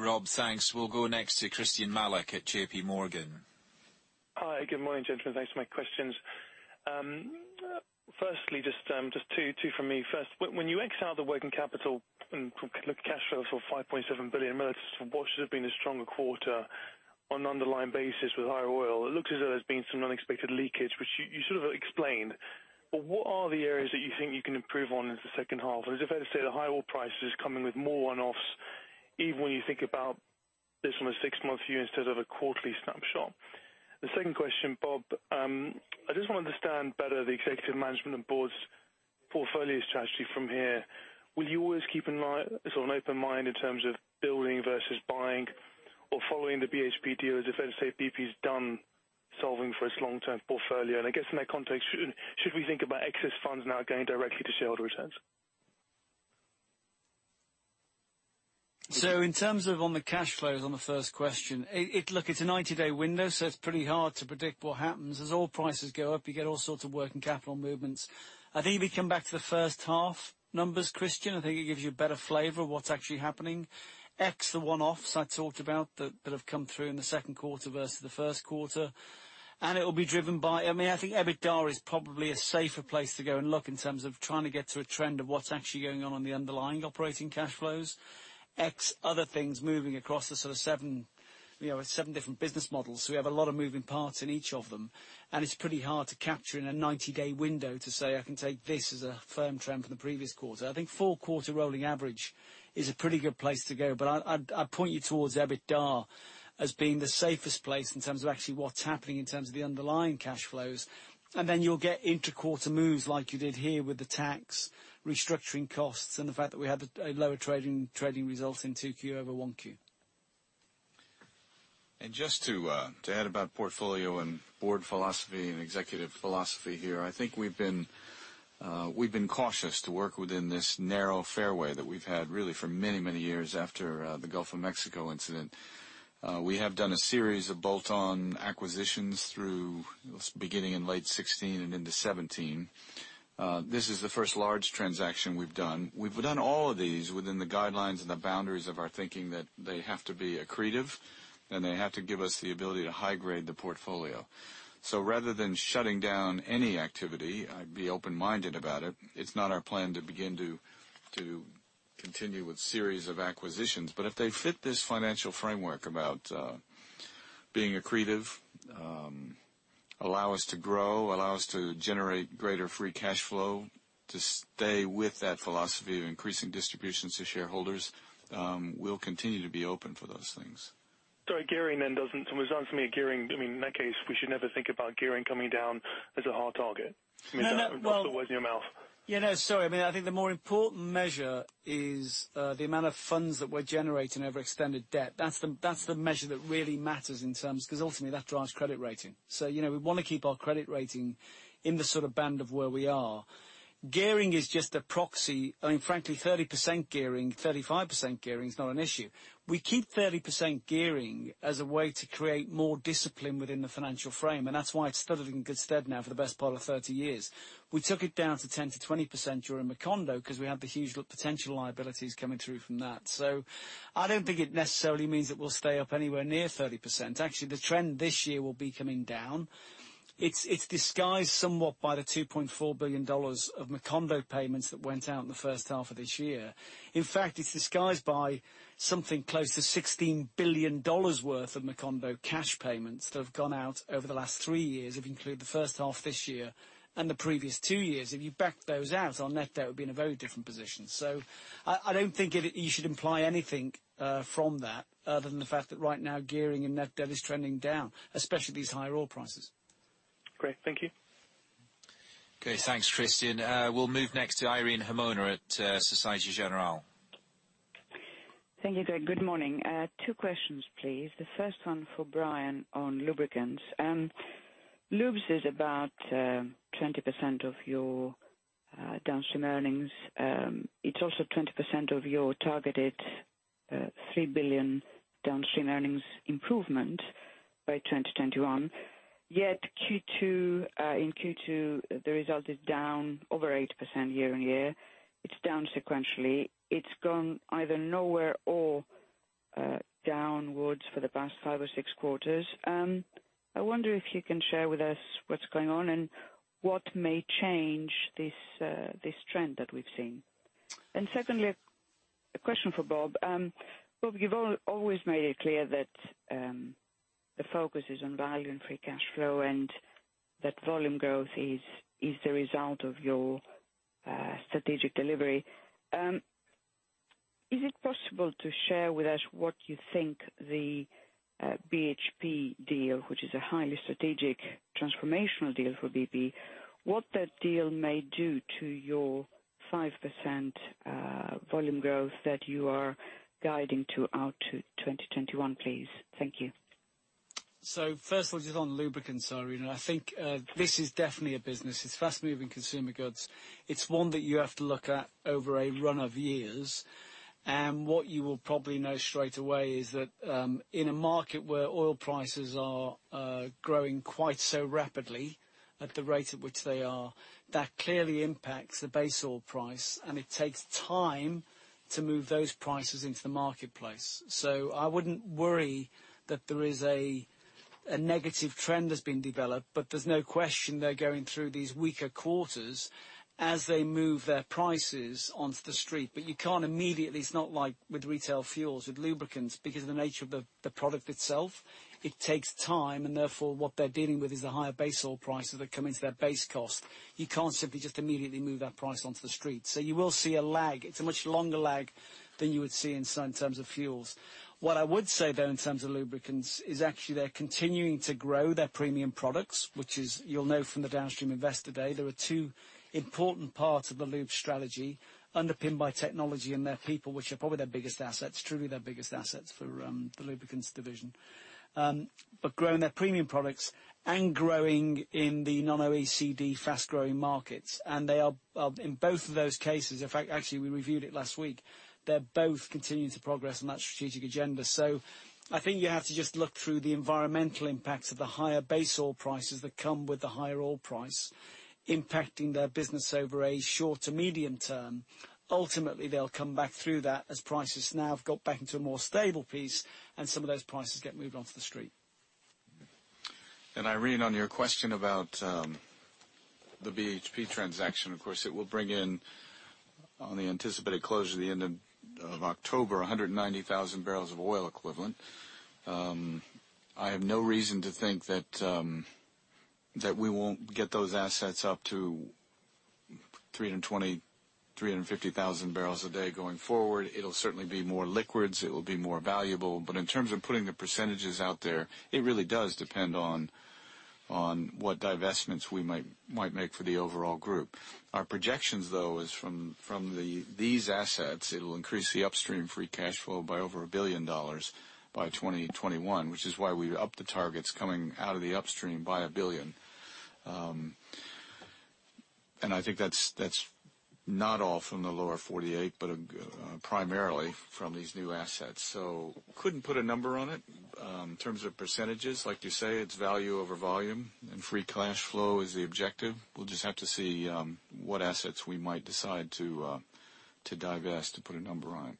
Rob. Thanks. We'll go next to Christyan Malek at J.P. Morgan.
Hi, good morning, gentlemen. Thanks for my questions. Just two from me. First, when you exclude the working capital and cash flow for $5.7 billion, what should have been a stronger quarter on an underlying basis with higher oil? It looks as though there's been some unexpected leakage, which you sort of explained. What are the areas that you think you can improve on in the second half? Is it fair to say the high oil price is coming with more one-offs, even when you think about this from a six-month view instead of a quarterly snapshot? The second question, Bob, I just want to understand better the executive management and board's portfolio strategy from here. Will you always keep an open mind in terms of building versus buying or following the BHP deal as if, let's say, BP's done solving for its long-term portfolio? And I guess in that context, should we think about excess funds now going directly to shareholder returns?
In terms of on the cash flows, on the first question, look, it's a 90-day window, so it's pretty hard to predict what happens. As oil prices go up, you get all sorts of working capital movements. I think if you come back to the first half numbers, Christyan, I think it gives you a better flavor of what's actually happening. X the one-offs I talked about that have come through in the second quarter versus the first quarter. I think EBITDA is probably a safer place to go and look in terms of trying to get to a trend of what's actually going on the underlying operating cash flows. X other things moving across the seven different business models. We have a lot of moving parts in each of them, and it's pretty hard to capture in a 90-day window to say, I can take this as a firm trend from the previous quarter. I think four-quarter rolling average is a pretty good place to go. I'd point you towards EBITDA as being the safest place in terms of actually what's happening in terms of the underlying cash flows. Then you'll get inter-quarter moves like you did here with the tax restructuring costs and the fact that we had lower trading results in 2Q over 1Q.
Just to add about portfolio and board philosophy and executive philosophy here, I think we've been cautious to work within this narrow fairway that we've had really for many years after the Gulf of Mexico incident. We have done a series of bolt-on acquisitions through beginning in late 2016 and into 2017. This is the first large transaction we've done. We've done all of these within the guidelines and the boundaries of our thinking that they have to be accretive, and they have to give us the ability to high-grade the portfolio. Rather than shutting down any activity, I'd be open-minded about it. It's not our plan to begin to continue with series of acquisitions. If they fit this financial framework about being accretive, allow us to grow, allow us to generate greater free cash flow, to stay with that philosophy of increasing distributions to shareholders, we'll continue to be open for those things.
Sorry, gearing. It sounds to me, gearing, in that case, we should never think about gearing coming down as a hard target.
No.
That's the words in your mouth.
Yeah. No, sorry. I think the more important measure is the amount of funds that we're generating over extended debt. That's the measure that really matters because ultimately, that drives credit rating. We want to keep our credit rating in the band of where we are. Gearing is just a proxy. Frankly, 30% gearing, 35% gearing is not an issue. We keep 30% gearing as a way to create more discipline within the financial frame, and that's why it's stood in good stead now for the best part of 30 years. We took it down to 10%-20% during Macondo because we had the huge potential liabilities coming through from that. I don't think it necessarily means that we'll stay up anywhere near 30%. Actually, the trend this year will be coming down. It's disguised somewhat by the $2.4 billion of Macondo payments that went out in the first half of this year. In fact, it's disguised by something close to $16 billion worth of Macondo cash payments that have gone out over the last three years if you include the first half this year and the previous two years. If you backed those out, our net debt would be in a very different position. I don't think you should imply anything from that other than the fact that right now gearing and net debt is trending down, especially these higher oil prices.
Great. Thank you.
Okay. Thanks, Christyan Malek. We'll move next to Irene Himona at Société Générale.
Thank you, Craig. Good morning. Two questions, please. The first one for Brian on lubricants. Lubes is about 20% of your downstream earnings. It's also 20% of your targeted $3 billion downstream earnings improvement by 2021. Yet in Q2, the result is down over 8% year-over-year. It's down sequentially. It's gone either nowhere or downwards for the past five or six quarters. I wonder if you can share with us what's going on and what may change this trend that we've seen. Secondly, a question for Bob. Bob, you've always made it clear that the focus is on value and free cash flow and that volume growth is the result of your strategic delivery. Is it possible to share with us what you think the BHP deal, which is a highly strategic transformational deal for BP, what that deal may do to your 5% volume growth that you are guiding to out to 2021, please? Thank you.
First one is just on lubricants, Irene. I think this is definitely a business. It's fast-moving consumer goods. It's one that you have to look at over a run of years. What you will probably know straight away is that in a market where oil prices are growing quite so rapidly at the rate at which they are, that clearly impacts the base oil price, and it takes time to move those prices into the marketplace. I wouldn't worry that there is a negative trend that's been developed, but there's no question they're going through these weaker quarters as they move their prices onto the street. You can't immediately, it's not like with retail fuels, with lubricants, because of the nature of the product itself, it takes time, and therefore, what they're dealing with is the higher base oil prices that come into their base cost. You can't simply just immediately move that price onto the street. You will see a lag. It's a much longer lag than you would see in terms of fuels. What I would say, though, in terms of lubricants, is actually they're continuing to grow their premium products, which is, you'll know from the downstream investor day, there are two important parts of the lube strategy underpinned by technology and their people, which are probably their biggest assets, truly their biggest assets for the lubricants division. Growing their premium products and growing in the non-OECD fast-growing markets. They are in both of those cases. In fact, actually, we reviewed it last week. They're both continuing to progress on that strategic agenda. I think you have to just look through the environmental impacts of the higher base oil prices that come with the higher oil price impacting their business over a short to medium-term. Ultimately, they'll come back through that as prices now have got back into a more stable piece and some of those prices get moved onto the street.
Irene, on your question about the BHP transaction, of course, it will bring in on the anticipated close to the end of October, 190,000 barrels of oil equivalent. I have no reason to think that we won't get those assets up to 320,000, 350,000 barrels a day going forward. It'll certainly be more liquids, it will be more valuable. In terms of putting the percentages out there, it really does depend on what divestments we might make for the overall group. Our projections, though, is from these assets, it'll increase the upstream free cash flow by over $1 billion by 2021, which is why we've upped the targets coming out of the upstream by $1 billion. I think that's not all from the Lower 48, but primarily from these new assets. Couldn't put a number on it. In terms of percentages, like you say, it's value over volume, and free cash flow is the objective. We'll just have to see what assets we might decide to divest to put a number on it.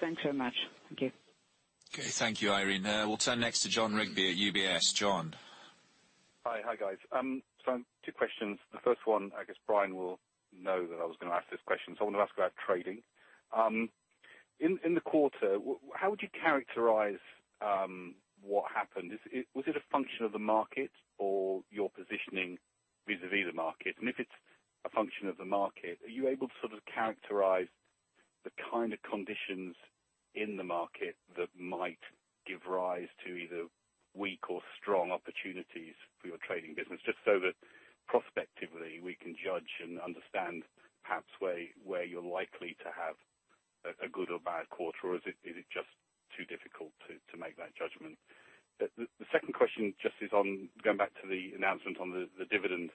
Thanks so much. Thank you.
Okay, thank you, Irene. We'll turn next to Jon Rigby at UBS. Jon.
Hi, guys. Two questions. The first one, I guess Brian will know that I was going to ask this question. I want to ask about trading. In the quarter, how would you characterize what happened? Was it a function of the market or your positioning vis-a-vis the market? If it's a function of the market, are you able to sort of characterize the kind of conditions in the market that might give rise to either weak or strong opportunities for your trading business, just so that prospectively we can judge and understand perhaps where you're likely to have a good or bad quarter? Or is it just too difficult to make that judgment? The second question just is on going back to the announcement on the dividend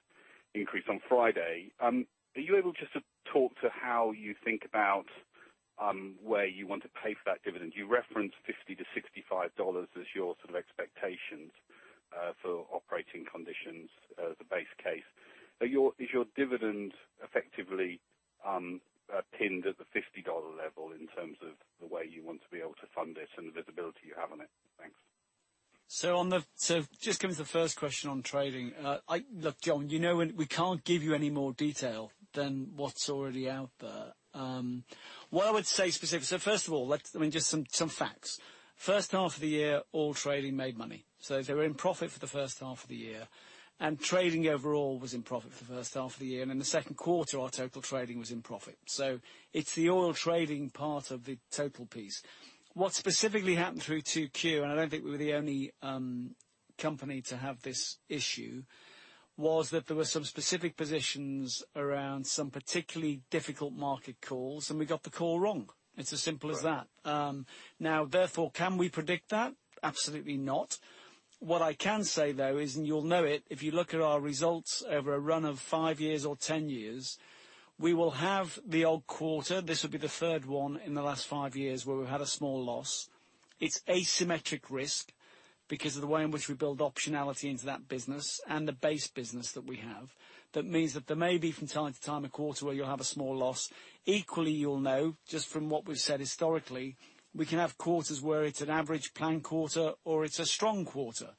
increase on Friday. Are you able just to talk to how you think about where you want to pay for that dividend? You referenced $50 to $65 as your sort of expectations for operating conditions as the base case. Is your dividend effectively pinned at the $50 level in terms of the way you want to be able to fund it and the visibility you have on it? Thanks.
Just going to the first question on trading. Look, Jon, we can't give you any more detail than what's already out there. First of all, just some facts. First half of the year, all trading made money. They were in profit for the first half of the year, and trading overall was in profit for the first half of the year. In the second quarter, our total trading was in profit. It's the oil trading part of the total piece. What specifically happened through 2Q, and I don't think we were the only company to have this issue, was that there were some specific positions around some particularly difficult market calls, and we got the call wrong. It's as simple as that.
Right.
Therefore, can we predict that? Absolutely not. What I can say, though is, you'll know it if you look at our results over a run of five years or 10 years, we will have the odd quarter. This will be the third one in the last five years where we've had a small loss. It's asymmetric risk because of the way in which we build optionality into that business and the base business that we have. That means that there may be from time to time, a quarter where you'll have a small loss. Equally, you'll know just from what we've said historically, we can have quarters where it's an average planned quarter or it's a strong quarter.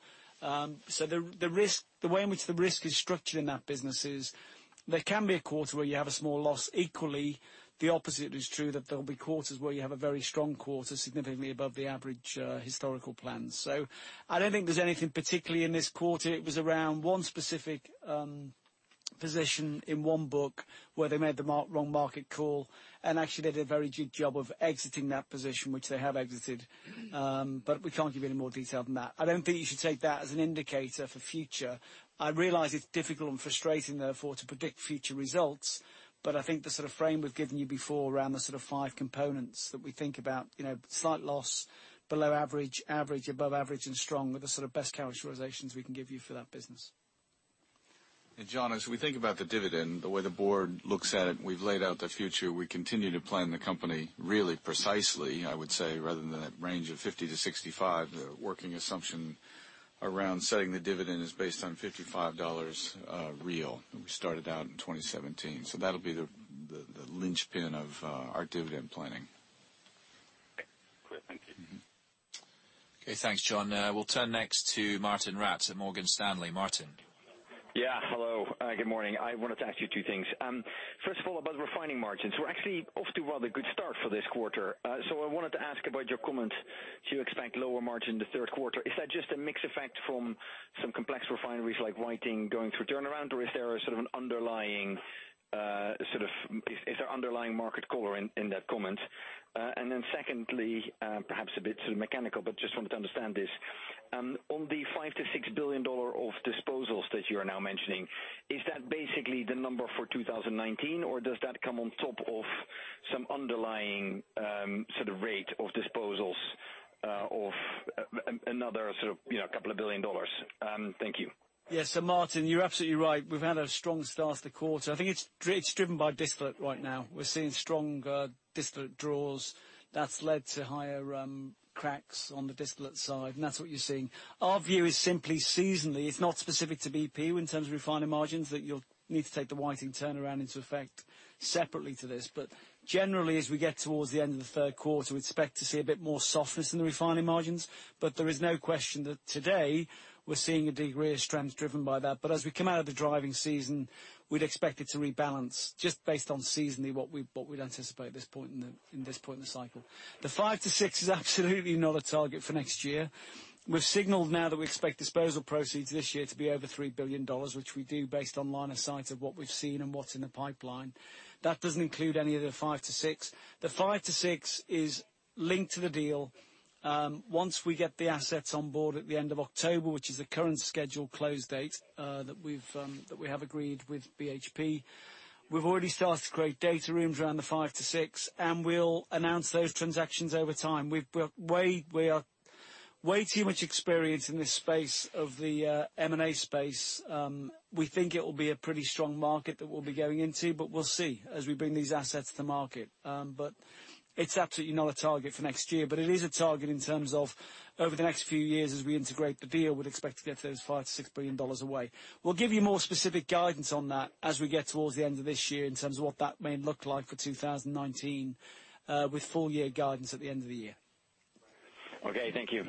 The way in which the risk is structured in that business is there can be a quarter where you have a small loss. Equally, the opposite is true that there'll be quarters where you have a very strong quarter, significantly above the average historical plans. I don't think there's anything particularly in this quarter. It was around one specific position in one book where they made the wrong market call and actually did a very good job of exiting that position, which they have exited. We can't give any more detail than that. I don't think you should take that as an indicator for future. I realize it's difficult and frustrating, therefore, to predict future results. I think the sort of frame we've given you before around the sort of five components that we think about, slight loss, below average, above average, and strong are the sort of best characterizations we can give you for that business.
Jon, as we think about the dividend, the way the board looks at it, we've laid out the future, we continue to plan the company really precisely, I would say. Rather than that range of 50-65, the working assumption around setting the dividend is based on $55 a barrel real than we started out in 2017.
Great. Thank you.
Okay. Thanks, Jon. We'll turn next to Martijn Rats at Morgan Stanley. Martijn.
Hello, good morning. I wanted to ask you two things. First of all, about refining margins. We're actually off to a rather good start for this quarter. I wanted to ask about your comment to expect lower margin in the third quarter. Is that just a mix effect from some complex refineries like Whiting going through turnaround? Or is there sort of an underlying market color in that comment? Secondly, perhaps a bit sort of mechanical, but just wanted to understand this. On the $5 billion-$6 billion of disposals that you are now mentioning, is that basically the number for 2019, or does that come on top of some underlying sort of rate of disposals of another couple of billion dollars. Thank you.
Yes. Martijn, you're absolutely right. We've had a strong start to the quarter. I think it's driven by distillate right now. We're seeing strong distillate draws that's led to higher cracks on the distillate side, that's what you're seeing. Our view is simply seasonally, it's not specific to BP in terms of refining margins, that you'll need to take the Whiting turnaround into effect separately to this. Generally, as we get towards the end of the third quarter, we'd expect to see a bit more softness in the refining margins. There is no question that today we're seeing a degree of strength driven by that. As we come out of the driving season, we'd expect it to rebalance just based on seasonally what we'd anticipate at this point in the cycle. The five to six is absolutely not a target for next year. We've signaled now that we expect disposal proceeds this year to be over $3 billion, which we do based on line of sight of what we've seen and what's in the pipeline. That doesn't include any of the five to six. The five to six is linked to the deal. Once we get the assets on board at the end of October, which is the current scheduled close date that we have agreed with BHP. We've already started to create data rooms around the five to six, we'll announce those transactions over time. We are way too much experienced in this space of the M&A space. We think it will be a pretty strong market that we'll be going into, we'll see as we bring these assets to market. It's absolutely not a target for next year, it is a target in terms of over the next few years as we integrate the deal, we'd expect to get those $5 billion-$6 billion away. We'll give you more specific guidance on that as we get towards the end of this year in terms of what that may look like for 2019, with full year guidance at the end of the year.
Okay, thank you.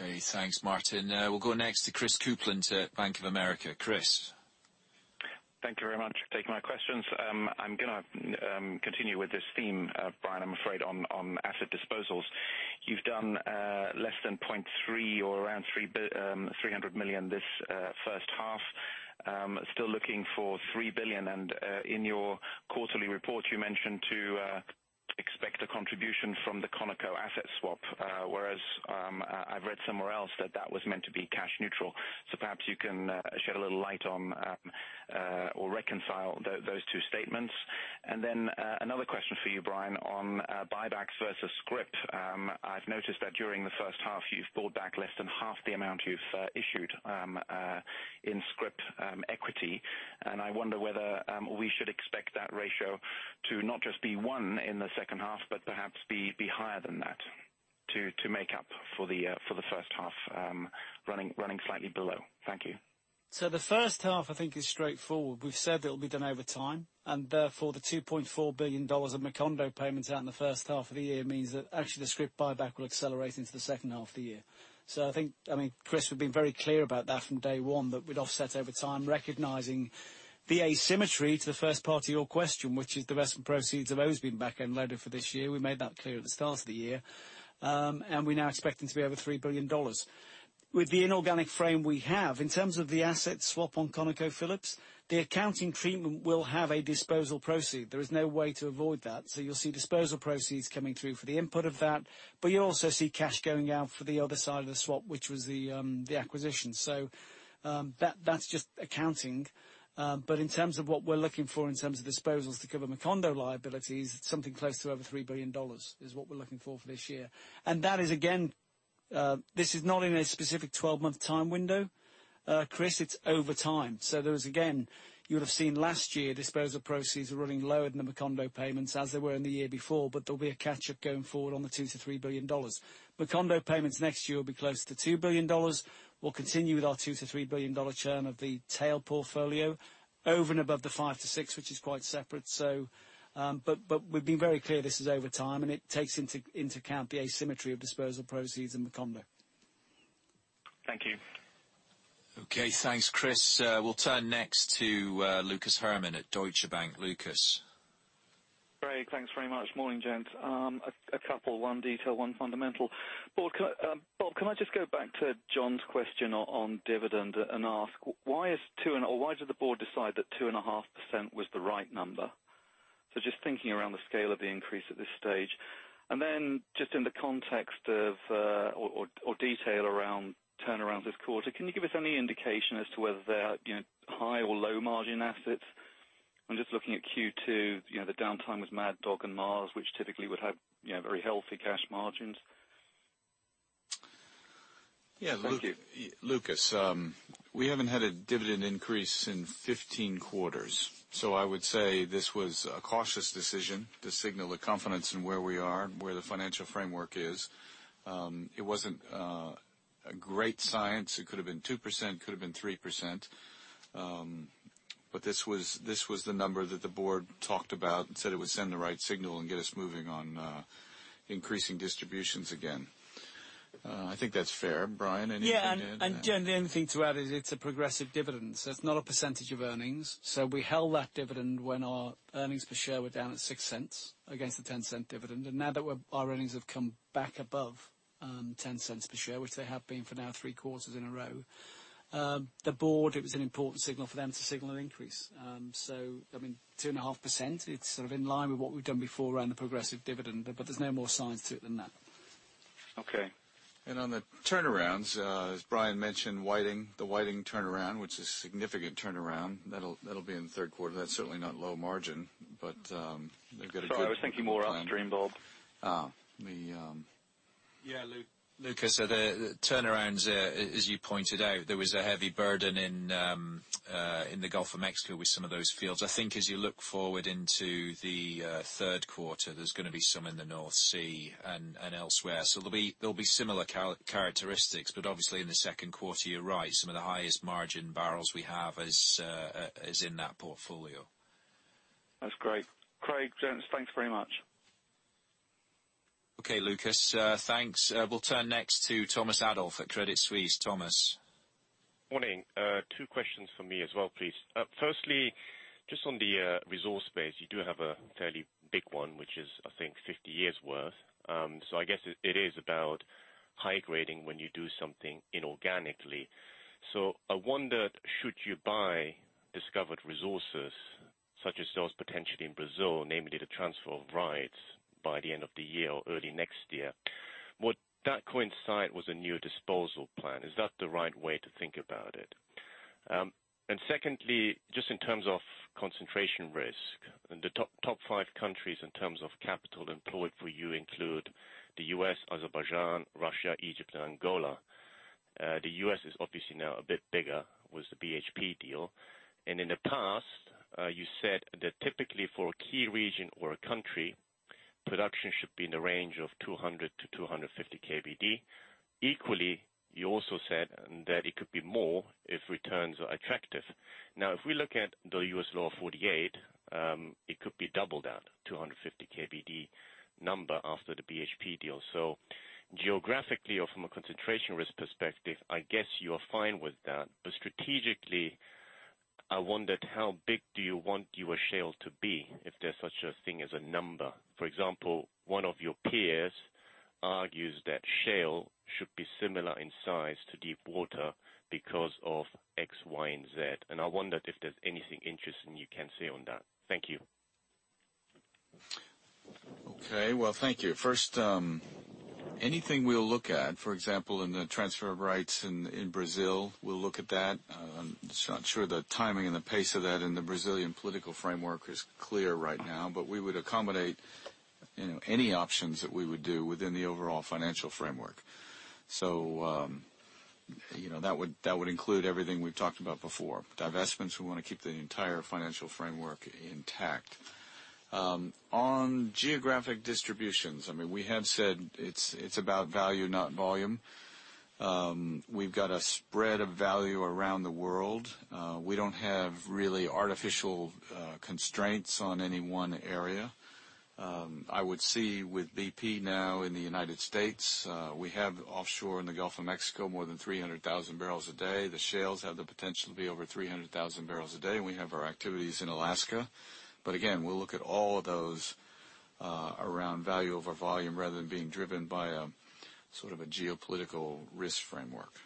Okay, thanks, Martijn. We'll go next to Christopher Kuplent at Bank of America. Chris.
Thank you very much for taking my questions. I'm gonna continue with this theme, Brian, I'm afraid, on asset disposals. You've done less than 0.3 or around $300 million this first half. Still looking for $3 billion, and in your quarterly report you mentioned to expect a contribution from the Conoco asset swap. Whereas I've read somewhere else that that was meant to be cash neutral. Perhaps you can shed a little light on or reconcile those two statements. Then, another question for you, Brian, on buybacks versus scrip. I've noticed that during the first half you've bought back less than half the amount you've issued in scrip equity. I wonder whether we should expect that ratio to not just be one in the second half, but perhaps be higher than that to make up for the first half running slightly below. Thank you.
The first half I think is straightforward. We've said that it'll be done over time, therefore the $2.4 billion of Macondo payments out in the first half of the year means that actually the scrip buyback will accelerate into the second half of the year. I think, Chris, we've been very clear about that from day one, that we'd offset over time, recognizing the asymmetry to the first part of your question, which is the rest of the proceeds have always been back-end loaded for this year. We made that clear at the start of the year. We're now expecting to be over $3 billion. With the inorganic frame we have, in terms of the asset swap on ConocoPhillips, the accounting treatment will have a disposal proceed. There is no way to avoid that. You'll see disposal proceeds coming through for the input of that, you'll also see cash going out for the other side of the swap, which was the acquisition. That's just accounting. In terms of what we're looking for in terms of disposals to cover Macondo liabilities, something close to over $3 billion is what we're looking for for this year. That is, again, this is not in a specific 12-month time window, Chris, it's over time. There is, again, you would've seen last year disposal proceeds were running lower than the Macondo payments as they were in the year before, but there'll be a catch-up going forward on the $2 billion-$3 billion. Macondo payments next year will be close to $2 billion. We'll continue with our $2 billion-$3 billion churn of the tail portfolio over and above the five to six, which is quite separate. We've been very clear this is over time, and it takes into account the asymmetry of disposal proceeds and Macondo.
Thank you.
Thanks, Chris. We'll turn next to Lucas Herrmann at Deutsche Bank. Lucas.
Great. Thanks very much. Morning, gents. A couple, one detail, one fundamental. Bob, can I just go back to Jon's question on dividend and ask why did the board decide that two and a half percent was the right number? Just thinking around the scale of the increase at this stage. Just in the context of, or detail around turnarounds this quarter, can you give us any indication as to whether they are high or low margin assets? I'm just looking at Q2, the downtime with Mad Dog and Mars, which typically would have very healthy cash margins. Thank you.
Yeah. Lucas, we haven't had a dividend increase in 15 quarters, I would say this was a cautious decision to signal the confidence in where we are and where the financial framework is. It wasn't a great science. It could have been 2%, could have been 3%. This was the number that the board talked about and said it would send the right signal and get us moving on increasing distributions again. I think that's fair. Brian, anything to add?
Yeah. The only thing to add is it's a progressive dividend, it's not a percentage of earnings. We held that dividend when our earnings per share were down at $0.06 against the $0.10 dividend. Now that our earnings have come back above $0.10 per share, which they have been for now three quarters in a row, the board, it was an important signal for them to signal an increase. I mean, two and a half percent, it's sort of in line with what we've done before around the progressive dividend, there's no more science to it than that.
Okay.
On the turnarounds, as Brian mentioned, the Whiting turnaround, which is a significant turnaround, that'll be in the third quarter. That's certainly not low margin, they've got a good-
Sorry, I was thinking more upstream, Bob.
Yeah, Lucas. The turnarounds, as you pointed out, there was a heavy burden in the Gulf of Mexico with some of those fields. I think as you look forward into the third quarter, there's going to be some in the North Sea and elsewhere. There'll be similar characteristics, but obviously in the second quarter, you're right, some of the highest margin barrels we have is in that portfolio.
That's great. Craig, thanks very much.
Okay, Lucas. Thanks. We'll turn next to Thomas Adolff at Credit Suisse. Thomas.
Morning. Two questions from me as well, please. Firstly, just on the resource base, you do have a fairly big one, which is I think 50 years' worth. I guess it is about high grading when you do something inorganically. I wondered, should you buy discovered resources such as those potentially in Brazil, namely the transfer of rights by the end of the year or early next year. Would that coincide with a new disposal plan? Is that the right way to think about it? Secondly, just in terms of concentration risk, the top five countries in terms of capital employed for you include the U.S., Azerbaijan, Russia, Egypt, and Angola. The U.S. is obviously now a bit bigger with the BHP deal. In the past, you said that typically for a key region or a country, production should be in the range of 200 to 250 KBD. Equally, you also said that it could be more if returns are attractive. If we look at the U.S. Lower 48, it could be double that 250 KBD number after the BHP deal. Geographically or from a concentration risk perspective, I guess you are fine with that. Strategically, I wondered how big do you want your shale to be if there's such a thing as a number? For example, one of your peers argues that shale should be similar in size to deep water because of X, Y, and Z. I wondered if there's anything interesting you can say on that. Thank you.
Okay. Well, thank you. First, anything we'll look at, for example, in the transfer of rights in Brazil, we'll look at that. I'm not sure the timing and the pace of that in the Brazilian political framework is clear right now, but we would accommodate any options that we would do within the overall financial framework. That would include everything we've talked about before. Divestments, we want to keep the entire financial framework intact. On geographic distributions, we have said it's about value, not volume. We've got a spread of value around the world. We don't have really artificial constraints on any one area. I would see with BP now in the U.S., we have offshore in the Gulf of Mexico, more than 300,000 barrels a day. The shales have the potential to be over 300,000 barrels a day, and we have our activities in Alaska. Again, we'll look at all of those around value over volume rather than being driven by a geopolitical risk framework.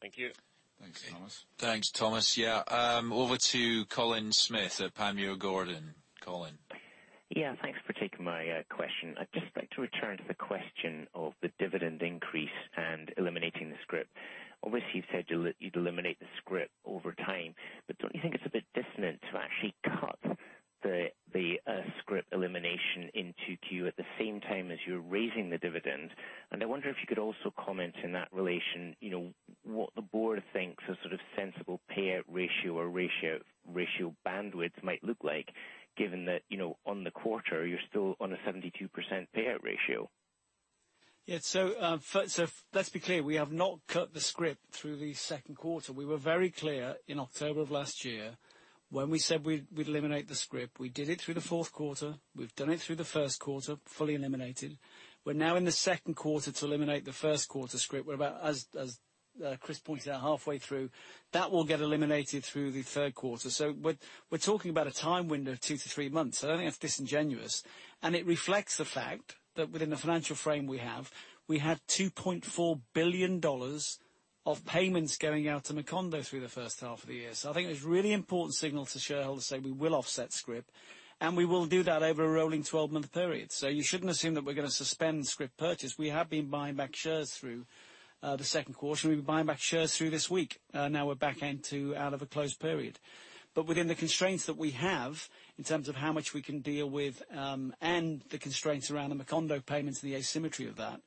Thank you.
Thanks, Thomas.
Thanks, Thomas. Yeah. Over to Colin Smith at Panmure Gordon. Colin.
Yeah, thanks for taking my question. I'd just like to return to the question of the dividend increase and eliminating the scrip. Obviously, you said you'd eliminate the scrip over time, but don't you think it's a bit dissonant to actually cut the scrip elimination in 2Q at the same time as you're raising the dividend? I wonder if you could also comment in that relation, what the board thinks a sort of sensible payout ratio or ratio bandwidth might look like, given that on the quarter, you're still on a 72% payout ratio.
Let's be clear. We have not cut the scrip through the second quarter. We were very clear in October of last year when we said we'd eliminate the scrip. We did it through the fourth quarter. We've done it through the first quarter, fully eliminated. We're now in the second quarter to eliminate the first quarter scrip. We're about, as Chris pointed out, halfway through. That will get eliminated through the third quarter. We're talking about a time window of two to three months. I don't think that's disingenuous. It reflects the fact that within the financial frame we have, we have $2.4 billion of payments going out to Macondo through the first half of the year. I think it's a really important signal to shareholders to say we will offset scrip, and we will do that over a rolling 12-month period. You shouldn't assume that we're going to suspend scrip purchase. We have been buying back shares through the second quarter. We've been buying back shares through this week. Now we're back into out of a closed period. Within the constraints that we have, in terms of how much we can deal with, and the constraints around the Macondo payments and the asymmetry of that,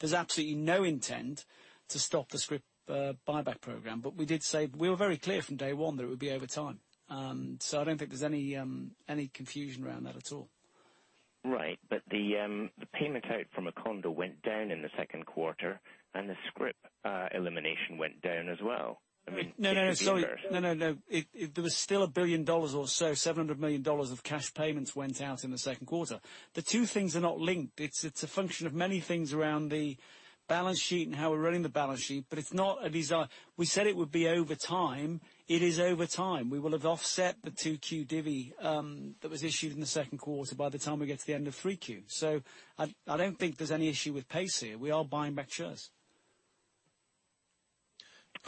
there's absolutely no intent to stop the scrip buyback program. We did say, we were very clear from day one that it would be over time. I don't think there's any confusion around that at all.
Right. The payment out from Macondo went down in the second quarter, and the scrip elimination went down as well.
No, no. Sorry. No, no. There was still $1 billion or so, $700 million of cash payments went out in the second quarter. The two things are not linked. It's a function of many things around the balance sheet and how we're running the balance sheet. We said it would be over time. It is over time. We will have offset the 2Q divvy that was issued in the second quarter by the time we get to the end of 3Q. I don't think there's any issue with pace here. We are buying back shares.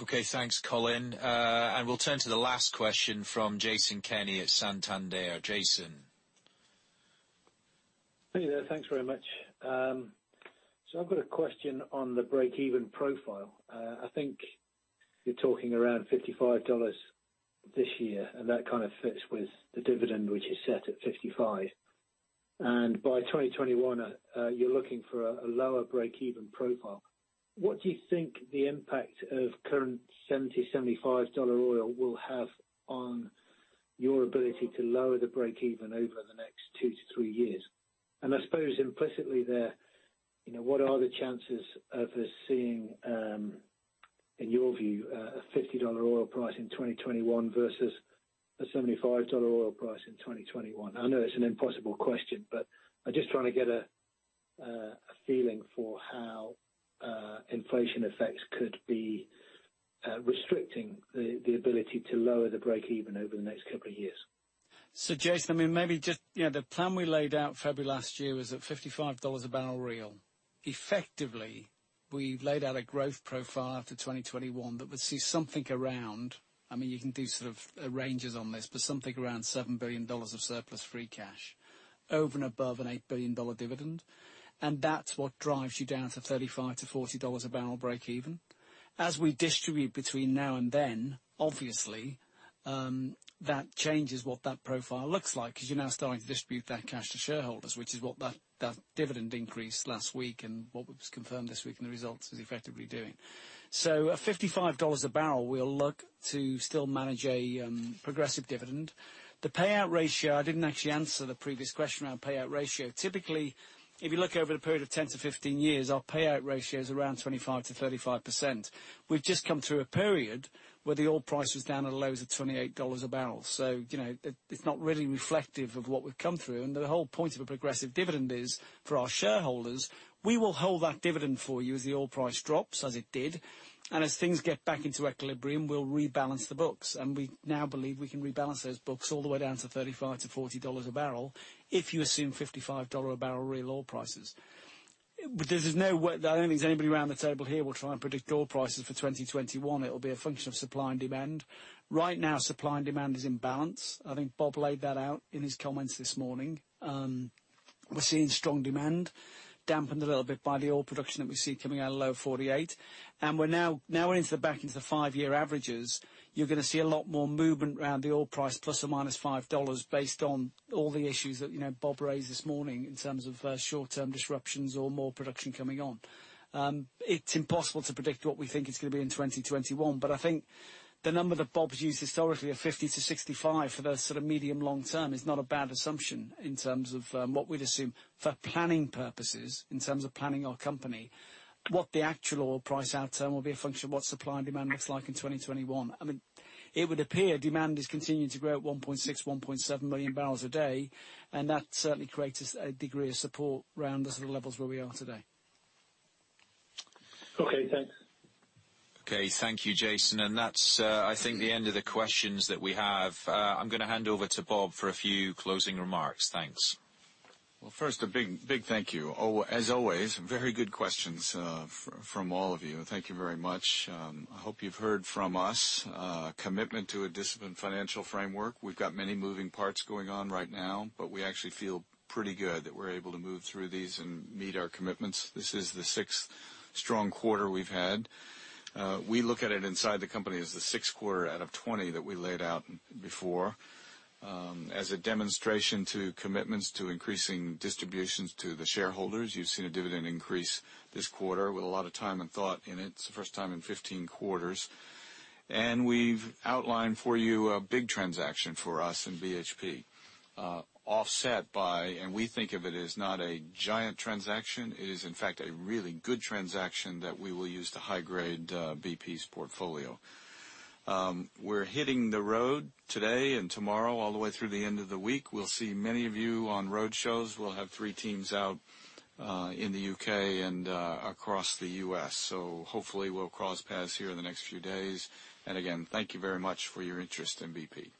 Okay, thanks, Colin. We'll turn to the last question from Jason Kenny at Santander. Jason.
Hey there. Thanks very much. I've got a question on the breakeven profile. I think you're talking around $55 this year, and that kind of fits with the dividend, which is set at $55. By 2021, you're looking for a lower breakeven profile. What do you think the impact of current $70-$75 oil will have on your ability to lower the breakeven over the next two to three years? I suppose implicitly there, what are the chances of us seeing, in your view, a $50 oil price in 2021 versus a $75 oil price in 2021? I know it's an impossible question, but I'm just trying to get a feeling for how inflation effects could be restricting the ability to lower the breakeven over the next couple of years.
Jason, the plan we laid out February last year was at $55 a barrel real. Effectively, we laid out a growth profile after 2021 that would see something around, you can do sort of ranges on this, but something around $7 billion of surplus free cash over and above an $8 billion dividend. That's what drives you down to $35-$40 a barrel breakeven. As we distribute between now and then, obviously, that changes what that profile looks like because you're now starting to distribute that cash to shareholders, which is what that dividend increase last week and what was confirmed this week in the results is effectively doing. At $55 a barrel, we'll look to still manage a progressive dividend. The payout ratio, I didn't actually answer the previous question around payout ratio. Typically, if you look over the period of 10-15 years, our payout ratio is around 25%-35%. We've just come through a period where the oil price was down at the lows of $28 a barrel. It's not really reflective of what we've come through. The whole point of a progressive dividend is for our shareholders. We will hold that dividend for you as the oil price drops, as it did, and as things get back into equilibrium, we'll rebalance the books. We now believe we can rebalance those books all the way down to $35-$40 a barrel if you assume $55 a barrel real oil prices. I don't think there's anybody around the table here will try and predict oil prices for 2021. It'll be a function of supply and demand. Right now, supply and demand is in balance. I think Bob laid that out in his comments this morning. We're seeing strong demand dampened a little bit by the oil production that we see coming out of Lower 48. Now we're into the back into the five-year averages. You're going to see a lot more movement around the oil price, plus or minus $5, based on all the issues that Bob raised this morning in terms of short-term disruptions or more production coming on. It's impossible to predict what we think it's going to be in 2021, but I think the number that Bob's used historically of $50-$65 for the sort of medium long term is not a bad assumption in terms of what we'd assume for planning purposes in terms of planning our company. What the actual oil price outcome will be a function of what supply and demand looks like in 2021. It would appear demand is continuing to grow at 1.6, 1.7 million barrels a day, that certainly creates a degree of support around the sort of levels where we are today.
Okay, thanks.
Okay, thank you, Jason. That's I think the end of the questions that we have. I'm going to hand over to Bob for a few closing remarks. Thanks.
Well, first, a big thank you. As always, very good questions from all of you. Thank you very much. I hope you've heard from us a commitment to a disciplined financial framework. We've got many moving parts going on right now, but we actually feel pretty good that we're able to move through these and meet our commitments. This is the sixth strong quarter we've had. We look at it inside the company as the sixth quarter out of 20 that we laid out before. As a demonstration to commitments to increasing distributions to the shareholders, you've seen a dividend increase this quarter with a lot of time and thought in it. It's the first time in 15 quarters. We've outlined for you a big transaction for us in BHP. Offset by, we think of it as not a giant transaction. It is, in fact, a really good transaction that we will use to high-grade BP's portfolio. We're hitting the road today and tomorrow all the way through the end of the week. We'll see many of you on road shows. We'll have three teams out in the U.K. and across the U.S. Hopefully we'll cross paths here in the next few days. Again, thank you very much for your interest in BP.